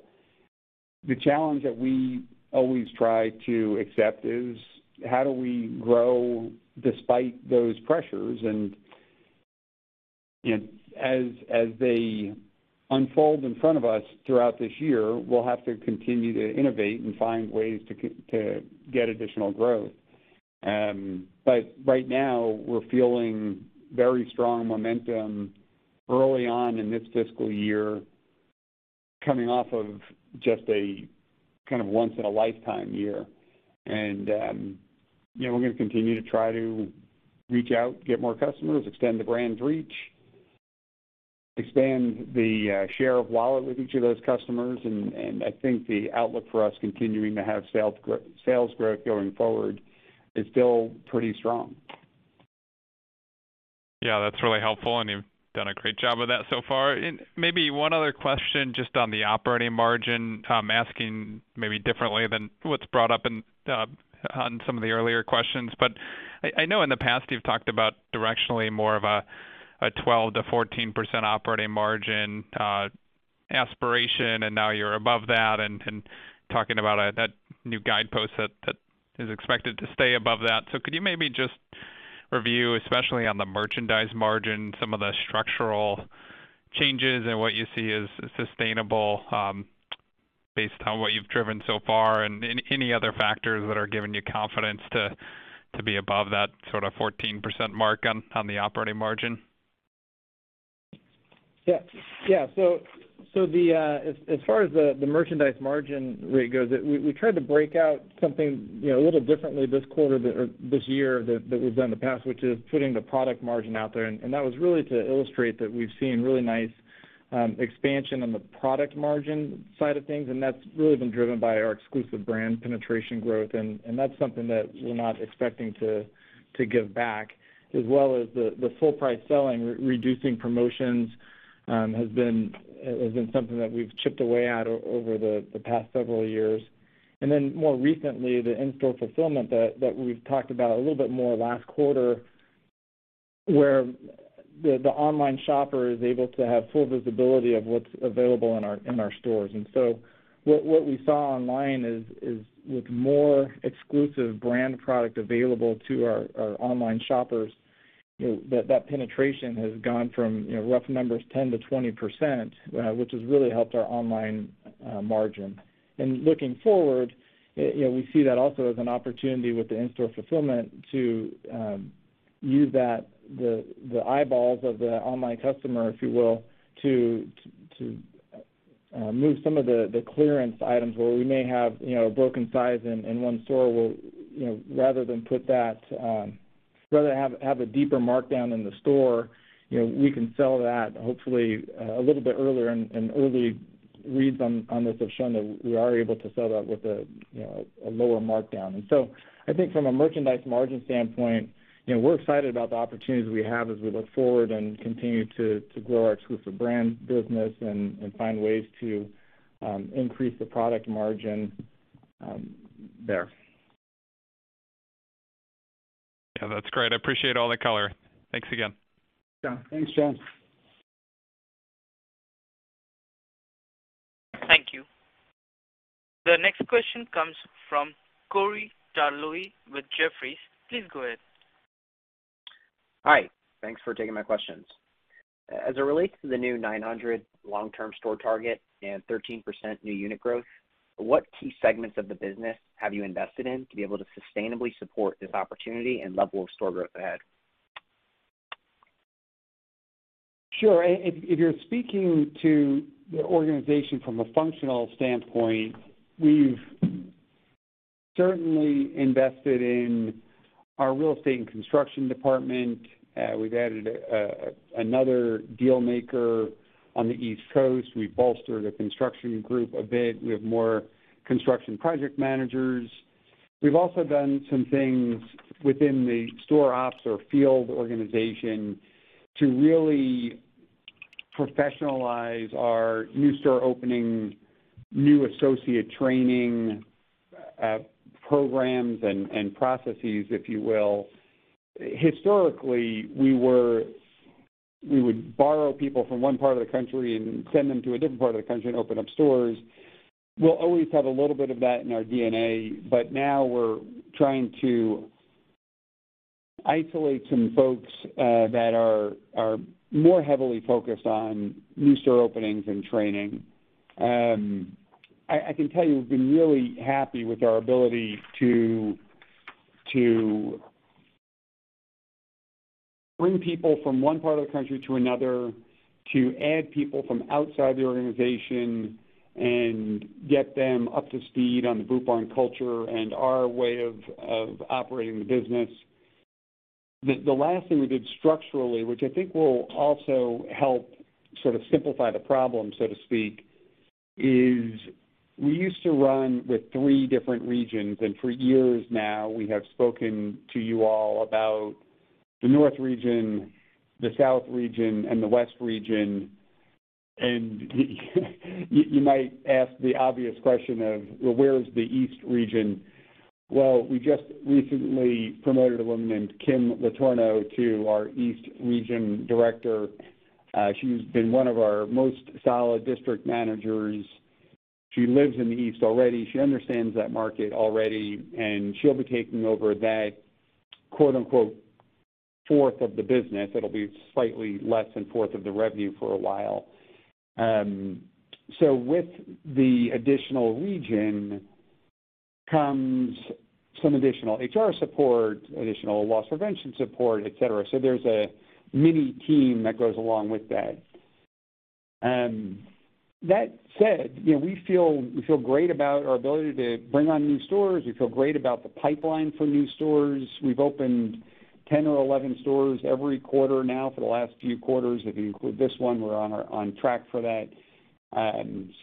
The challenge that we always try to accept is, how do we grow despite those pressures? You know, as they unfold in front of us throughout this year, we'll have to continue to innovate and find ways to get additional growth. Right now, we're feeling very strong momentum early on in this fiscal year, coming off of just a kind of once in a lifetime year. You know, we're going to continue to try to reach out, get more customers, extend the brand's reach, expand the share of wallet with each of those customers. I think the outlook for us continuing to have sales grow, sales growth going forward is still pretty strong. Yeah, that's really helpful, and you've done a great job of that so far. Maybe one other question just on the operating margin. I'm asking maybe differently than what's brought up in, on some of the earlier questions. I know in the past you've talked about directionally more of a 12%-14% operating margin aspiration, and now you're above that and talking about that new guidepost that is expected to stay above that. Could you maybe just review, especially on the merchandise margin, some of the structural changes and what you see as sustainable, based on what you've driven so far, and any other factors that are giving you confidence to be above that sort of 14% mark on the operating margin? Yeah. As far as the merchandise margin rate goes, we tried to break out something, you know, a little differently this quarter or this year that we've done in the past, which is putting the product margin out there. That was really to illustrate that we've seen really nice expansion on the product margin side of things, and that's really been driven by our exclusive brand penetration growth. That's something that we're not expecting to give back, as well as the full-price selling, reducing promotions has been something that we've chipped away at over the past several years. Then more recently, the in-store fulfillment that we've talked about a little bit more last quarter, where the online shopper is able to have full visibility of what's available in our stores. What we saw online is with more exclusive brand product available to our online shoppers, you know, that penetration has gone from, you know, rough numbers 10%-20%, which has really helped our online margin. Looking forward, you know, we see that also as an opportunity with the in-store fulfillment to use the eyeballs of the online customer, if you will, to move some of the clearance items where we may have, you know, a broken size in one store where, you know, rather than put that, rather have a deeper markdown in the store, you know, we can sell that hopefully a little bit earlier. Early reads on this have shown that we are able to sell that with a, you know, a lower markdown. I think from a merchandise margin standpoint, you know, we're excited about the opportunities we have as we look forward and continue to grow our exclusive brand business and find ways to increase the product margin there. Yeah, that's great. I appreciate all the color. Thanks again. Yeah. Thanks, Jon. Thank you. The next question comes from Corey Tarlowe with Jefferies. Please go ahead. Hi. Thanks for taking my questions. As it relates to the new 900 long-term store target and 13% new unit growth, what key segments of the business have you invested in to be able to sustainably support this opportunity and level of store growth ahead? Sure. If you're speaking to the organization from a functional standpoint, we've certainly invested in our real estate and construction department. We've added another deal maker on the East Coast. We've bolstered the construction group a bit. We have more construction project managers. We've also done some things within the store ops or field organization to really professionalize our new store opening, new associate training, programs and processes, if you will. Historically, we would borrow people from one part of the country and send them to a different part of the country and open up stores. We'll always have a little bit of that in our DNA, but now we're trying to isolate some folks that are more heavily focused on new store openings and training. I can tell you we've been really happy with our ability to bring people from one part of the country to another, to add people from outside the organization and get them up to speed on the Boot Barn culture and our way of operating the business. The last thing we did structurally, which I think will also help sort of simplify the problem, so to speak, is we used to run with three different regions, and for years now, we have spoken to you all about the North region, the South region, and the West region. You might ask the obvious question of, well, where is the East region? Well, we just recently promoted a woman named Kim Letourneau to our East Region Director. She's been one of our most solid district managers. She lives in the East already. She understands that market already, and she'll be taking over that, quote-unquote, fourth of the business. It'll be slightly less than fourth of the revenue for a while. With the additional region comes some additional HR support, additional loss prevention support, et cetera. There's a mini team that goes along with that. That said, you know, we feel great about our ability to bring on new stores. We feel great about the pipeline for new stores. We've opened 10 or 11 stores every quarter now for the last few quarters. If you include this one, we're on track for that.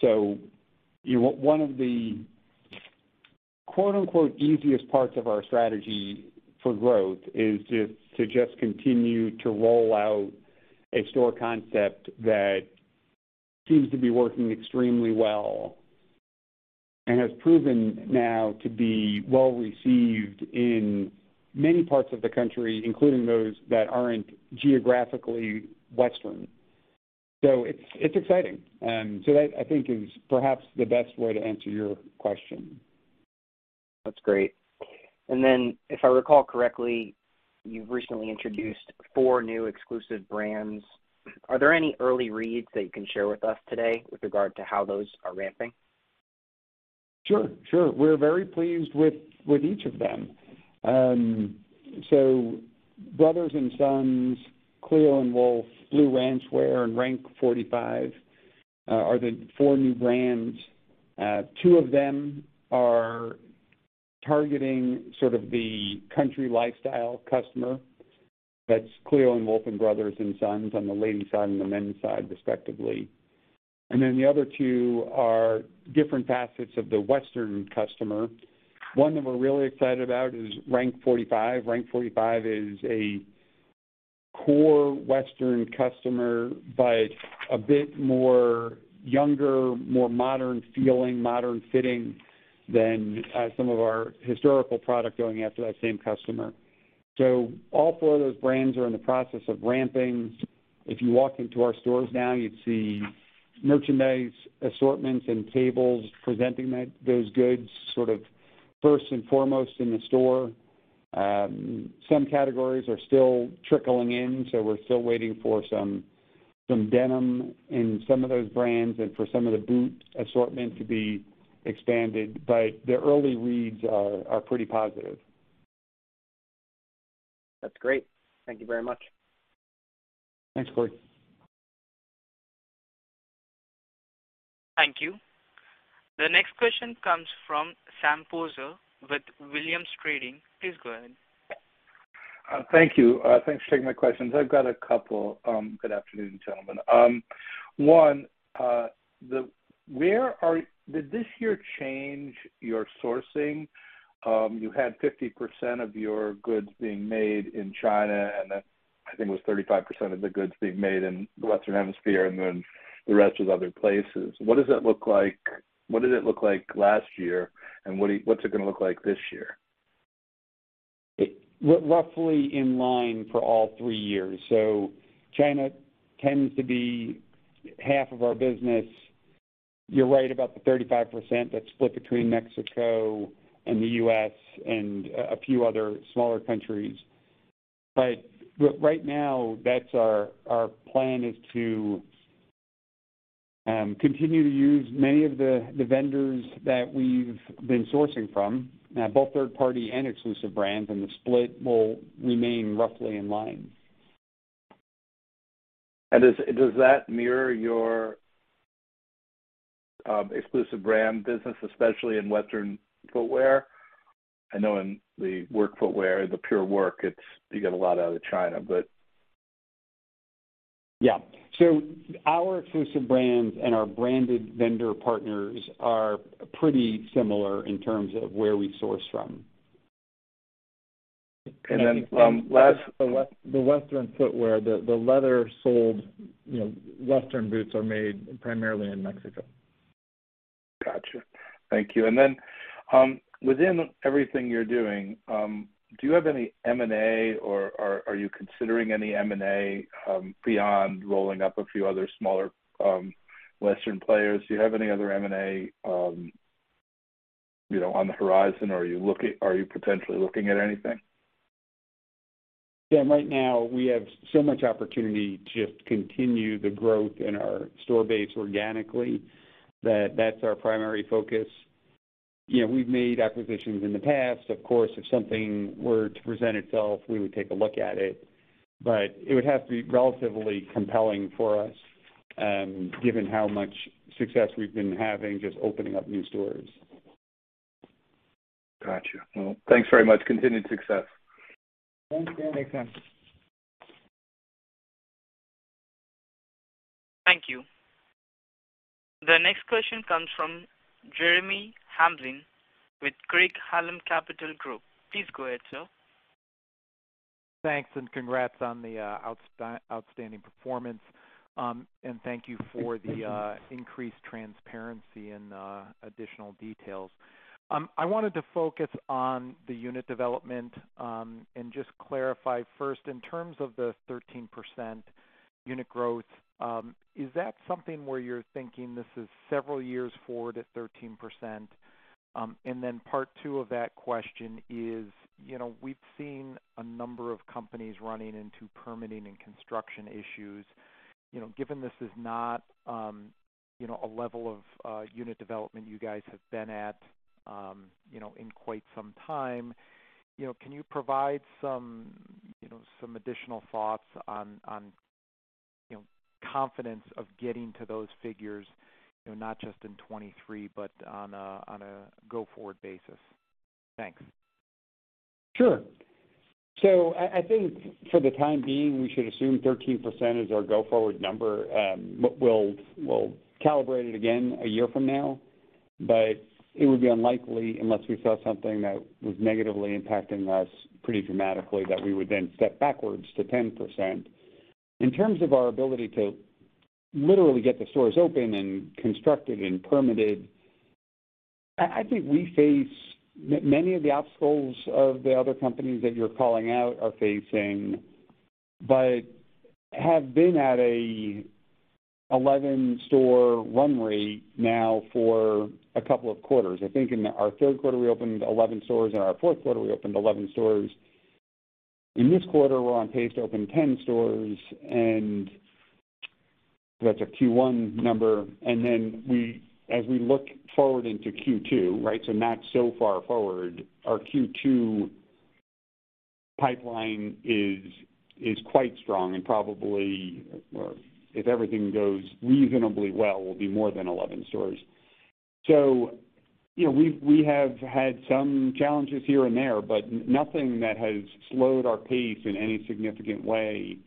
One of the, quote-unquote, "easiest" parts of our strategy for growth is just to continue to roll out a store concept that seems to be working extremely well and has proven now to be well received in many parts of the country, including those that aren't geographically Western. It's exciting. That I think is perhaps the best way to answer your question. That's great. If I recall correctly, you've recently introduced four new exclusive brands. Are there any early reads that you can share with us today with regard to how those are ramping? Sure. We're very pleased with each of them. Brothers and Sons, Cleo & Wolf, Blue Ranchwear, and RANK 45 are the four new brands. Two of them are targeting sort of the country lifestyle customer. That's Cleo & Wolf and Brothers and Sons on the ladies' side and the men's side, respectively. The other two are different facets of the Western customer. One that we're really excited about is RANK 45. RANK 45 is a core Western customer, but a bit more younger, more modern feeling, modern fitting than some of our historical product going after that same customer. All four of those brands are in the process of ramping. If you walk into our stores now, you'd see merchandise assortments and tables presenting that, those goods sort of first and foremost in the store. Some categories are still trickling in, so we're still waiting for some denim in some of those brands and for some of the boot assortment to be expanded, but the early reads are pretty positive. That's great. Thank you very much. Thanks, Corey. Thank you. The next question comes from Sam Poser with Williams Trading. Please go ahead. Thanks for taking my questions. I've got a couple. Good afternoon, gentlemen. One, did this year change your sourcing? You had 50% of your goods being made in China, and then I think it was 35% of the goods being made in the Western Hemisphere and then the rest was other places. What does that look like, what did it look like last year, and what's it going to look like this year? We're roughly in line for all three years. China tends to be half of our business. You're right about the 35% that's split between Mexico and the U.S. and a few other smaller countries. Right now, our plan is to continue to use many of the vendors that we've been sourcing from both third-party and exclusive brands, and the split will remain roughly in line. Does that mirror your exclusive brand business, especially in Western footwear? I know in the work footwear, the pure work, it's you get a lot out of China, but. Yeah. Our exclusive brands and our branded vendor partners are pretty similar in terms of where we source from. And then from last- The Western footwear, the leather soled, you know, Western boots are made primarily in Mexico. Gotcha. Thank you. Within everything you're doing, do you have any M&A or are you considering any M&A beyond rolling up a few other smaller Western players? Do you have any other M&A, you know, on the horizon? Are you potentially looking at anything? Sam, right now we have so much opportunity to just continue the growth in our store base organically that that's our primary focus. You know, we've made acquisitions in the past. Of course, if something were to present itself, we would take a look at it, but it would have to be relatively compelling for us, given how much success we've been having just opening up new stores. Gotcha. Well, thanks very much. Continued success. Thanks. Yeah. Makes sense. Thank you. The next question comes from Jeremy Hamblin with Craig-Hallum Capital Group. Please go ahead, sir. Thanks and congrats on the outstanding performance. Thank you for the increased transparency and additional details. I wanted to focus on the unit development and just clarify first, in terms of the 13% unit growth, is that something where you're thinking this is several years forward at 13%? Then part two of that question is, you know, we've seen a number of companies running into permitting and construction issues. You know, given this is not, you know, a level of unit development you guys have been at, you know, in quite some time, you know, can you provide some, you know, some additional thoughts on, you know, confidence of getting to those figures, you know, not just in 2023, but on a go-forward basis? Thanks. Sure. So I think for the time being, we should assume 13% is our go-forward number. We'll calibrate it again a year from now, but it would be unlikely unless we saw something that was negatively impacting us pretty dramatically that we would then step backwards to 10%. In terms of our ability to literally get the stores open and constructed and permitted, I think we face many of the obstacles of the other companies that you're calling out are facing, but have been at a 11-store run rate now for a couple of quarters. I think in our third quarter, we opened 11 stores. In our fourth quarter, we opened 11 stores. In this quarter, we're on pace to open 10 stores, and that's a Q1 number. Then we As we look forward into Q2, right, so not so far forward, our Q2 pipeline is quite strong and probably, or if everything goes reasonably well, will be more than 11 stores. You know, we have had some challenges here and there, but nothing that has slowed our pace in any significant way.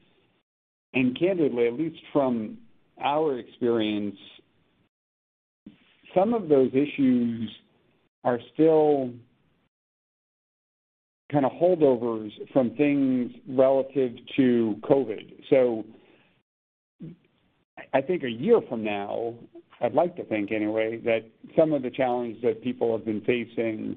Candidly, at least from our experience, some of those issues are still kind of holdovers from things relative to COVID. I think a year from now, I'd like to think anyway, that some of the challenges that people have been facing,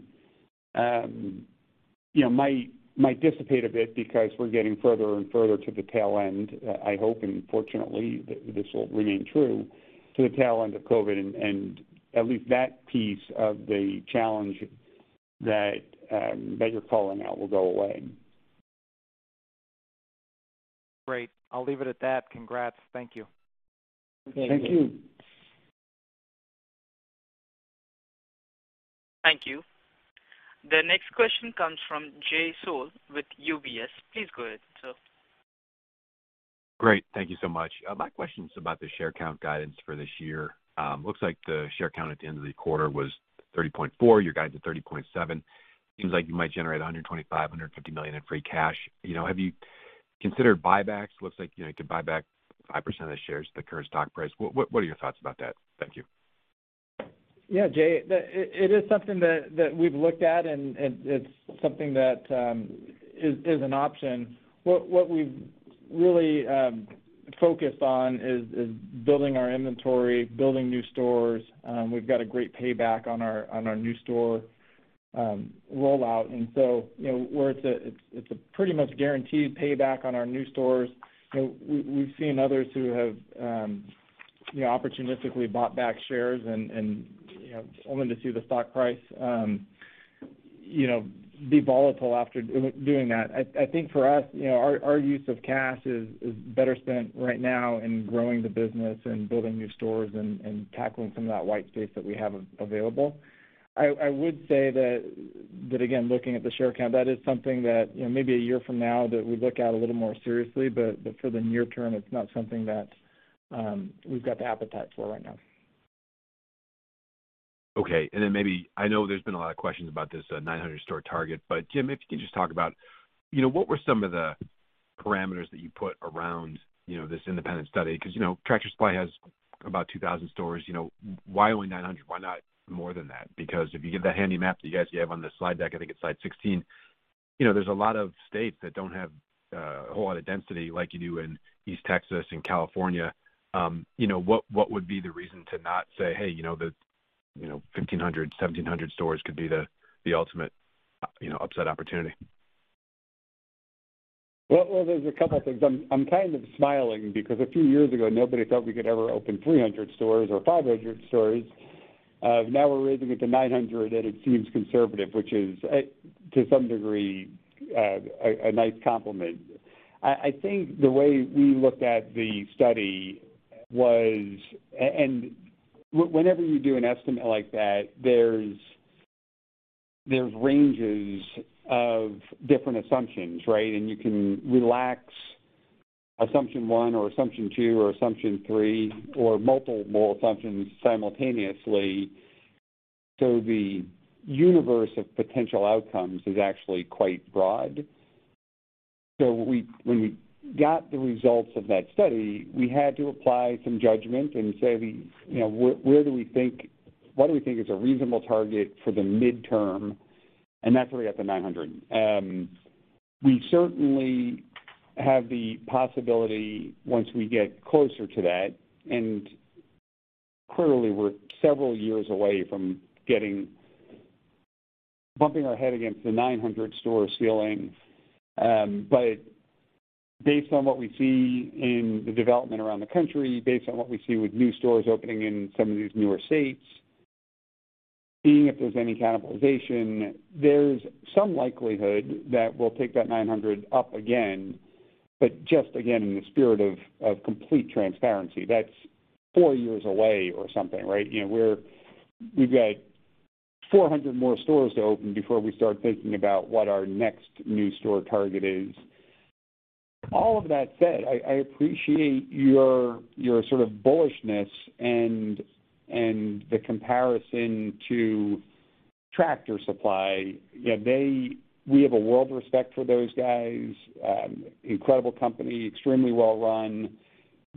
you know, might dissipate a bit because we're getting further and further from the tail end of COVID, I hope, and fortunately this will remain true, and at least that piece of the challenge that you're calling out will go away. Great. I'll leave it at that. Congrats. Thank you. Thank you. Thank you. The next question comes from Jay Sole with UBS. Please go ahead, sir. Great. Thank you so much. My question is about the share count guidance for this year. Looks like the share count at the end of the quarter was 30.4. You're guiding to 30.7. Seems like you might generate $125 million–$150 million in free cash. You know, have you considered buybacks? Looks like, you know, you could buy back 5% of the shares at the current stock price. What are your thoughts about that? Thank you. Yeah, Jay, it is something that we've looked at, and it's something that is an option. What we've really focused on is building our inventory, building new stores. We've got a great payback on our new store rollout. You know, it's a pretty much guaranteed payback on our new stores. You know, we've seen others who have opportunistically bought back shares and only to see the stock price be volatile after doing that. I think for us, our use of cash is better spent right now in growing the business and building new stores and tackling some of that white space that we have available. I would say that again, looking at the share count, that is something that, you know, maybe a year from now that we look at a little more seriously, but for the near term, it's not something that we've got the appetite for right now. Okay. Maybe I know there's been a lot of questions about this 900 store target, but Jim, if you could just talk about, you know, what were some of the parameters that you put around, you know, this independent study? Because, you know, Tractor Supply has about 2,000 stores. You know, why only 900? Why not more than that? Because if you give that handy map that you guys have on the slide deck, I think it's slide 16, you know, there's a lot of states that don't have a whole lot of density like you do in East Texas and California. You know, what would be the reason to not say, "Hey, you know, the you know 1,500 1,700 stores could be the ultimate you know upside opportunity"? Well, there's a couple things. I'm kind of smiling because a few years ago, nobody thought we could ever open 300 stores or 500 stores. Now we're raising it to 900, and it seems conservative, which is, to some degree, a nice compliment. I think the way we looked at the study was whenever you do an estimate like that, there's ranges of different assumptions, right? You can relax assumption one or assumption two or assumption three or multiple assumptions simultaneously. The universe of potential outcomes is actually quite broad. We got the results of that study, we had to apply some judgment and say, you know, what do we think is a reasonable target for the midterm? That's where we got the 900. We certainly have the possibility once we get closer to that, and clearly, we're several years away from bumping our head against the 900-store ceiling. Based on what we see in the development around the country, based on what we see with new stores opening in some of these newer states, seeing if there's any cannibalization, there's some likelihood that we'll take that 900 up again. Just again, in the spirit of complete transparency, that's four years away or something, right? You know, we've got 400 more stores to open before we start thinking about what our next new store target is. All of that said, I appreciate your sort of bullishness and the comparison to Tractor Supply. You know, we have a world of respect for those guys. Incredible company, extremely well-run.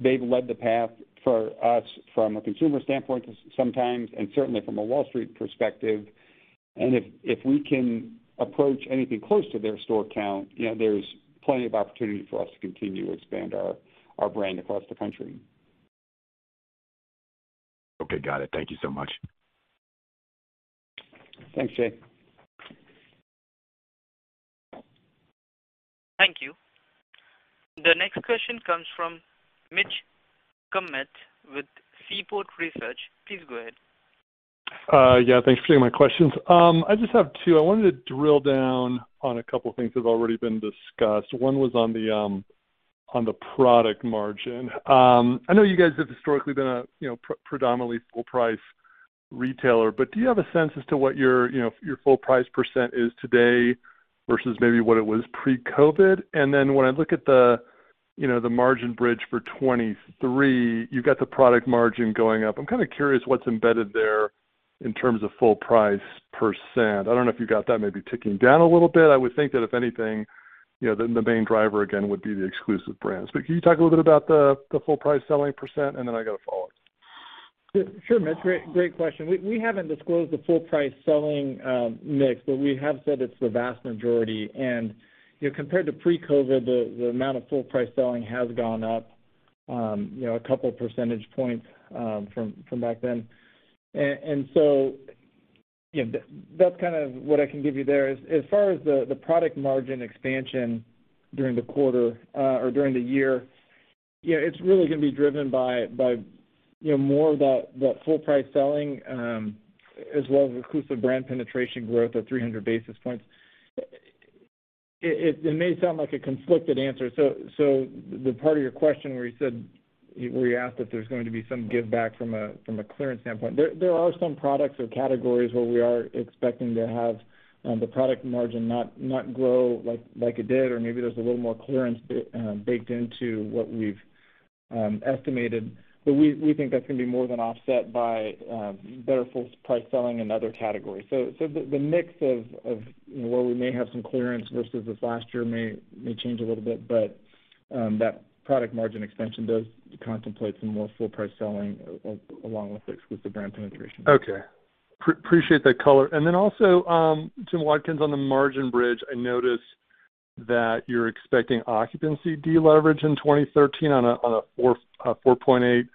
They've led the path for us from a consumer standpoint sometimes, and certainly from a Wall Street perspective. If we can approach anything close to their store count, you know, there's plenty of opportunity for us to continue to expand our brand across the country. Okay, got it. Thank you so much. Thanks, Jay. Thank you. The next question comes from Mitch Kummetz with Seaport Research. Please go ahead. Yeah, thanks for taking my questions. I just have two. I wanted to drill down on a couple of things that have already been discussed. One was on the product margin. I know you guys have historically been a, you know, predominantly full price retailer, but do you have a sense as to what your, you know, your full price percent is today versus maybe what it was pre-COVID? When I look at the, you know, the margin bridge for 2023, you've got the product margin going up. I'm kinda curious what's embedded there in terms of full price percent. I don't know if you got that maybe ticking down a little bit. I would think that if anything, you know, the main driver again would be the exclusive brands. Can you talk a little bit about the full-price selling percent? I got a follow-up. Sure, Mitch. Great question. We haven't disclosed the full-price selling mix, but we have said it's the vast majority. You know, compared to pre-COVID, the amount of full-price selling has gone up, you know, a couple percentage points from back then. That's kind of what I can give you there. As far as the product margin expansion during the quarter or during the year, you know, it's really going to be driven by more of that full-price selling as well as exclusive brand penetration growth of 300 basis points. It may sound like a conflicted answer. The part of your question where you said... Where you asked if there's going to be some give back from a clearance standpoint, there are some products or categories where we are expecting to have the product margin not grow like it did, or maybe there's a little more clearance baked into what we've estimated. We think that's going to be more than offset by better full-price selling in other categories. The mix of where we may have some clearance versus this last year may change a little bit, but that product margin expansion does contemplate some more full-price selling along with exclusive brand penetration. Okay. Appreciate that color. Jim Watkins, on the margin bridge, I noticed that you're expecting occupancy deleverage in 2013 on a 4.8%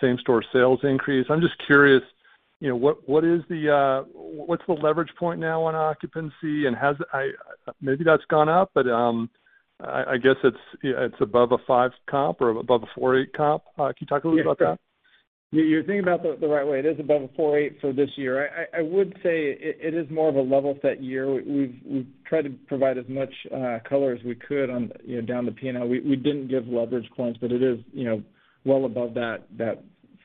same-store sales increase. I'm just curious, you know, what is the leverage point now on occupancy and maybe that's gone up, but I guess it's above a 5% comp or above a 4.8% comp. Can you talk a little bit about that? You're thinking about the right way. It is above 4.8% for this year. I would say it is more of a level set year. We've tried to provide as much color as we could on, you know, down the P&L. We didn't give leverage points, but it is, you know, well above that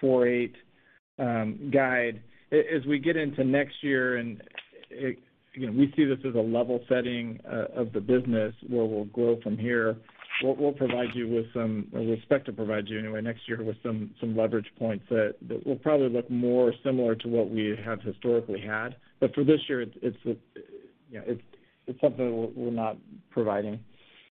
4.8% guide. As we get into next year and, you know, we see this as a level setting of the business where we'll grow from here. We'll provide you with some or we expect to provide you anyway, next year with some leverage points that will probably look more similar to what we have historically had. For this year, it's, you know, it's something that we're not providing.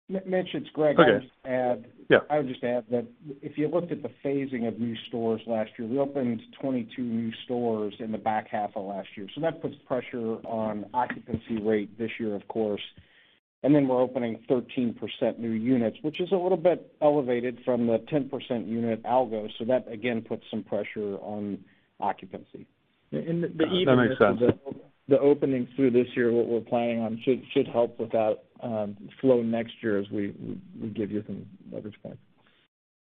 Mitch, it's Greg. Okay. I'll just add. Yeah. I would just add that if you looked at the phasing of new stores last year, we opened 22 new stores in the back half of last year. That puts pressure on occupancy rate this year, of course. We're opening 13% new units, which is a little bit elevated from the 10% unit algo. That again puts some pressure on occupancy. That makes sense. The openings through this year, what we're planning on should help with that flow next year as we give you some leverage points.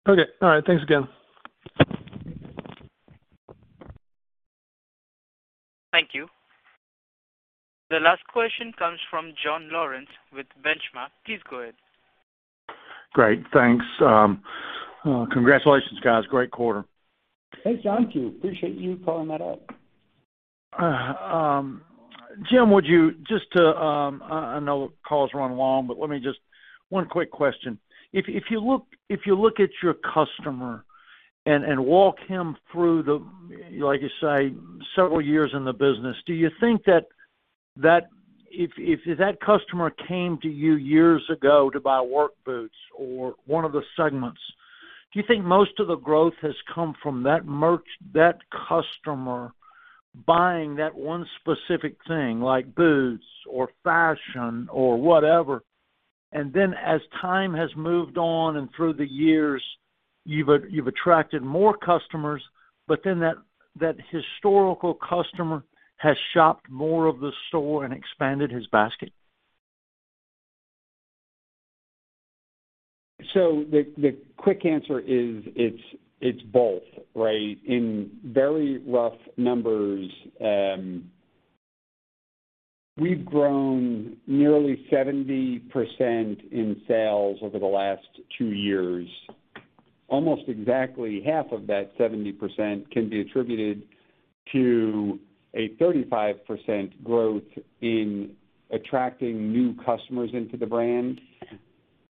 Okay. All right. Thanks again. Thank you. The last question comes from Jonathan Lawrence with Benchmark. Please go ahead. Great. Thanks. Congratulations, guys. Great quarter. Thanks, Jon. Appreciate you calling that out. Jim, would you just, I know calls run long, but let me just. One quick question. If you look at your customer and walk him through the like you say, several years in the business, do you think that if that customer came to you years ago to buy work boots or one of the segments, do you think most of the growth has come from that merch, that customer buying that one specific thing like boots or fashion or whatever? Then as time has moved on and through the years, you've attracted more customers, but then that historical customer has shopped more of the store and expanded his basket? The quick answer is it's both, right? In very rough numbers, we've grown nearly 70% in sales over the last 2 years. Almost exactly half of that 70% can be attributed to a 35% growth in attracting new customers into the brand.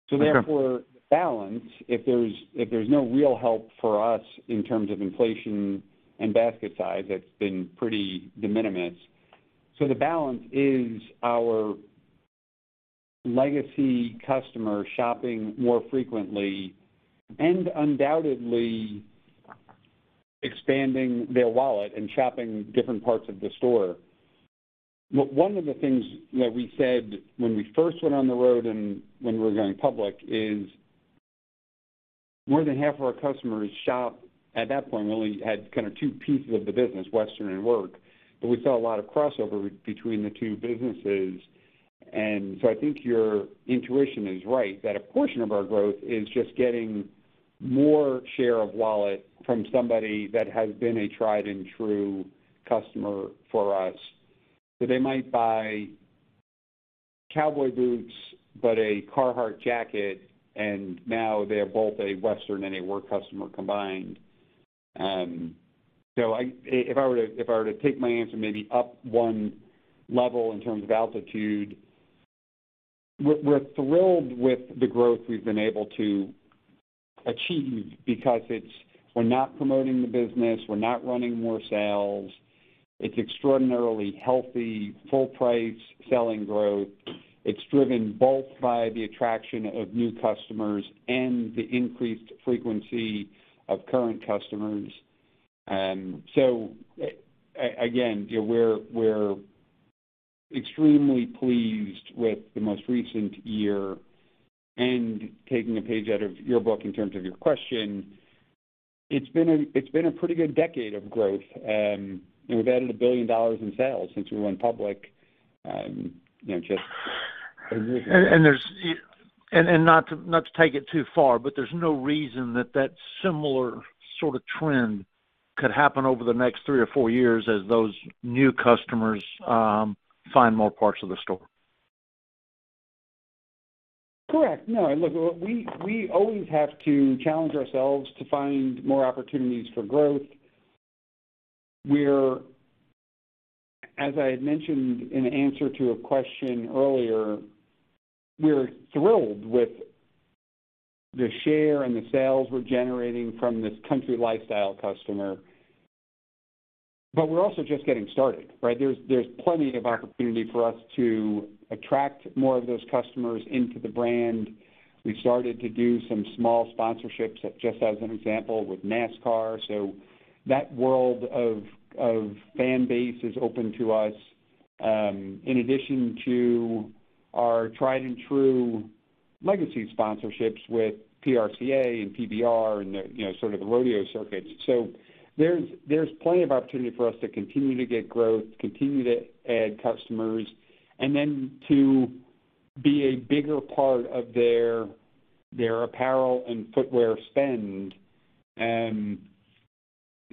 Okay. Therefore, balance, if there's no real help for us in terms of inflation and basket size, that's been pretty de minimis. The balance is our legacy customer shopping more frequently and undoubtedly expanding their wallet and shopping different parts of the store. One of the things that we said when we first went on the road and when we were going public is more than half of our customers shop at that point really had kind of two pieces of the business, western and work. We saw a lot of crossover between the two businesses. I think your intuition is right that a portion of our growth is just getting more share of wallet from somebody that has been a tried and true customer for us. They might buy cowboy boots, but a Carhartt jacket, and now they're both a western and a work customer combined. If I were to take my answer maybe up one level in terms of altitude, we're thrilled with the growth we've been able to achieve because we're not promoting the business. We're not running more sales. It's extraordinarily healthy, full-price selling growth. It's driven both by the attraction of new customers and the increased frequency of current customers. Again, we're extremely pleased with the most recent year and taking a page out of your book in terms of your question, it's been a pretty good decade of growth, and we've added $1 billion in sales since we went public, you know, just. there's no reason not to take it too far, but there's no reason that similar sort of trend could happen over the next three or four years as those new customers find more parts of the store. Correct. No, look, we always have to challenge ourselves to find more opportunities for growth. We're as I had mentioned in answer to a question earlier, we're thrilled with the share and the sales we're generating from this country lifestyle customer. But we're also just getting started, right? There's plenty of opportunity for us to attract more of those customers into the brand. We started to do some small sponsorships just as an example with NASCAR. So that world of fan base is open to us, in addition to our tried and true legacy sponsorships with PRCA and PBR and the, you know, sort of the rodeo circuits. So there's plenty of opportunity for us to continue to get growth, continue to add customers, and then to be a bigger part of their apparel and footwear spend. I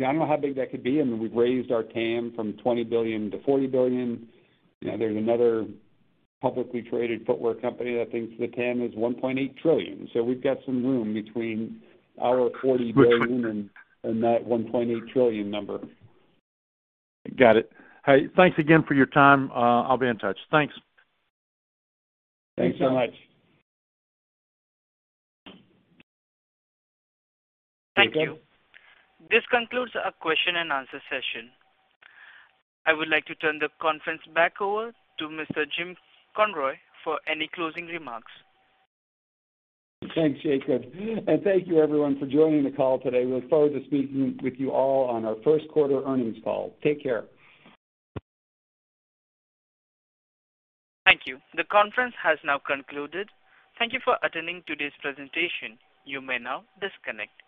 don't know how big that could be. I mean, we've raised our TAM from $20 billion–$40 billion. You know, there's another publicly traded footwear company that thinks the TAM is $1.8 trillion. We've got some room between our $40 billion and that $1.8 trillion number. Got it. Hey, thanks again for your time. I'll be in touch. Thanks. Thanks so much. Thank you. This concludes our question and answer session. I would like to turn the conference back over to Mr. Jim Conroy for any closing remarks. Thanks, Jacob. Thank you everyone for joining the call today. We look forward to speaking with you all on our first quarter earnings call. Take care. Thank you. The conference has now concluded. Thank you for attending today's presentation. You may now disconnect.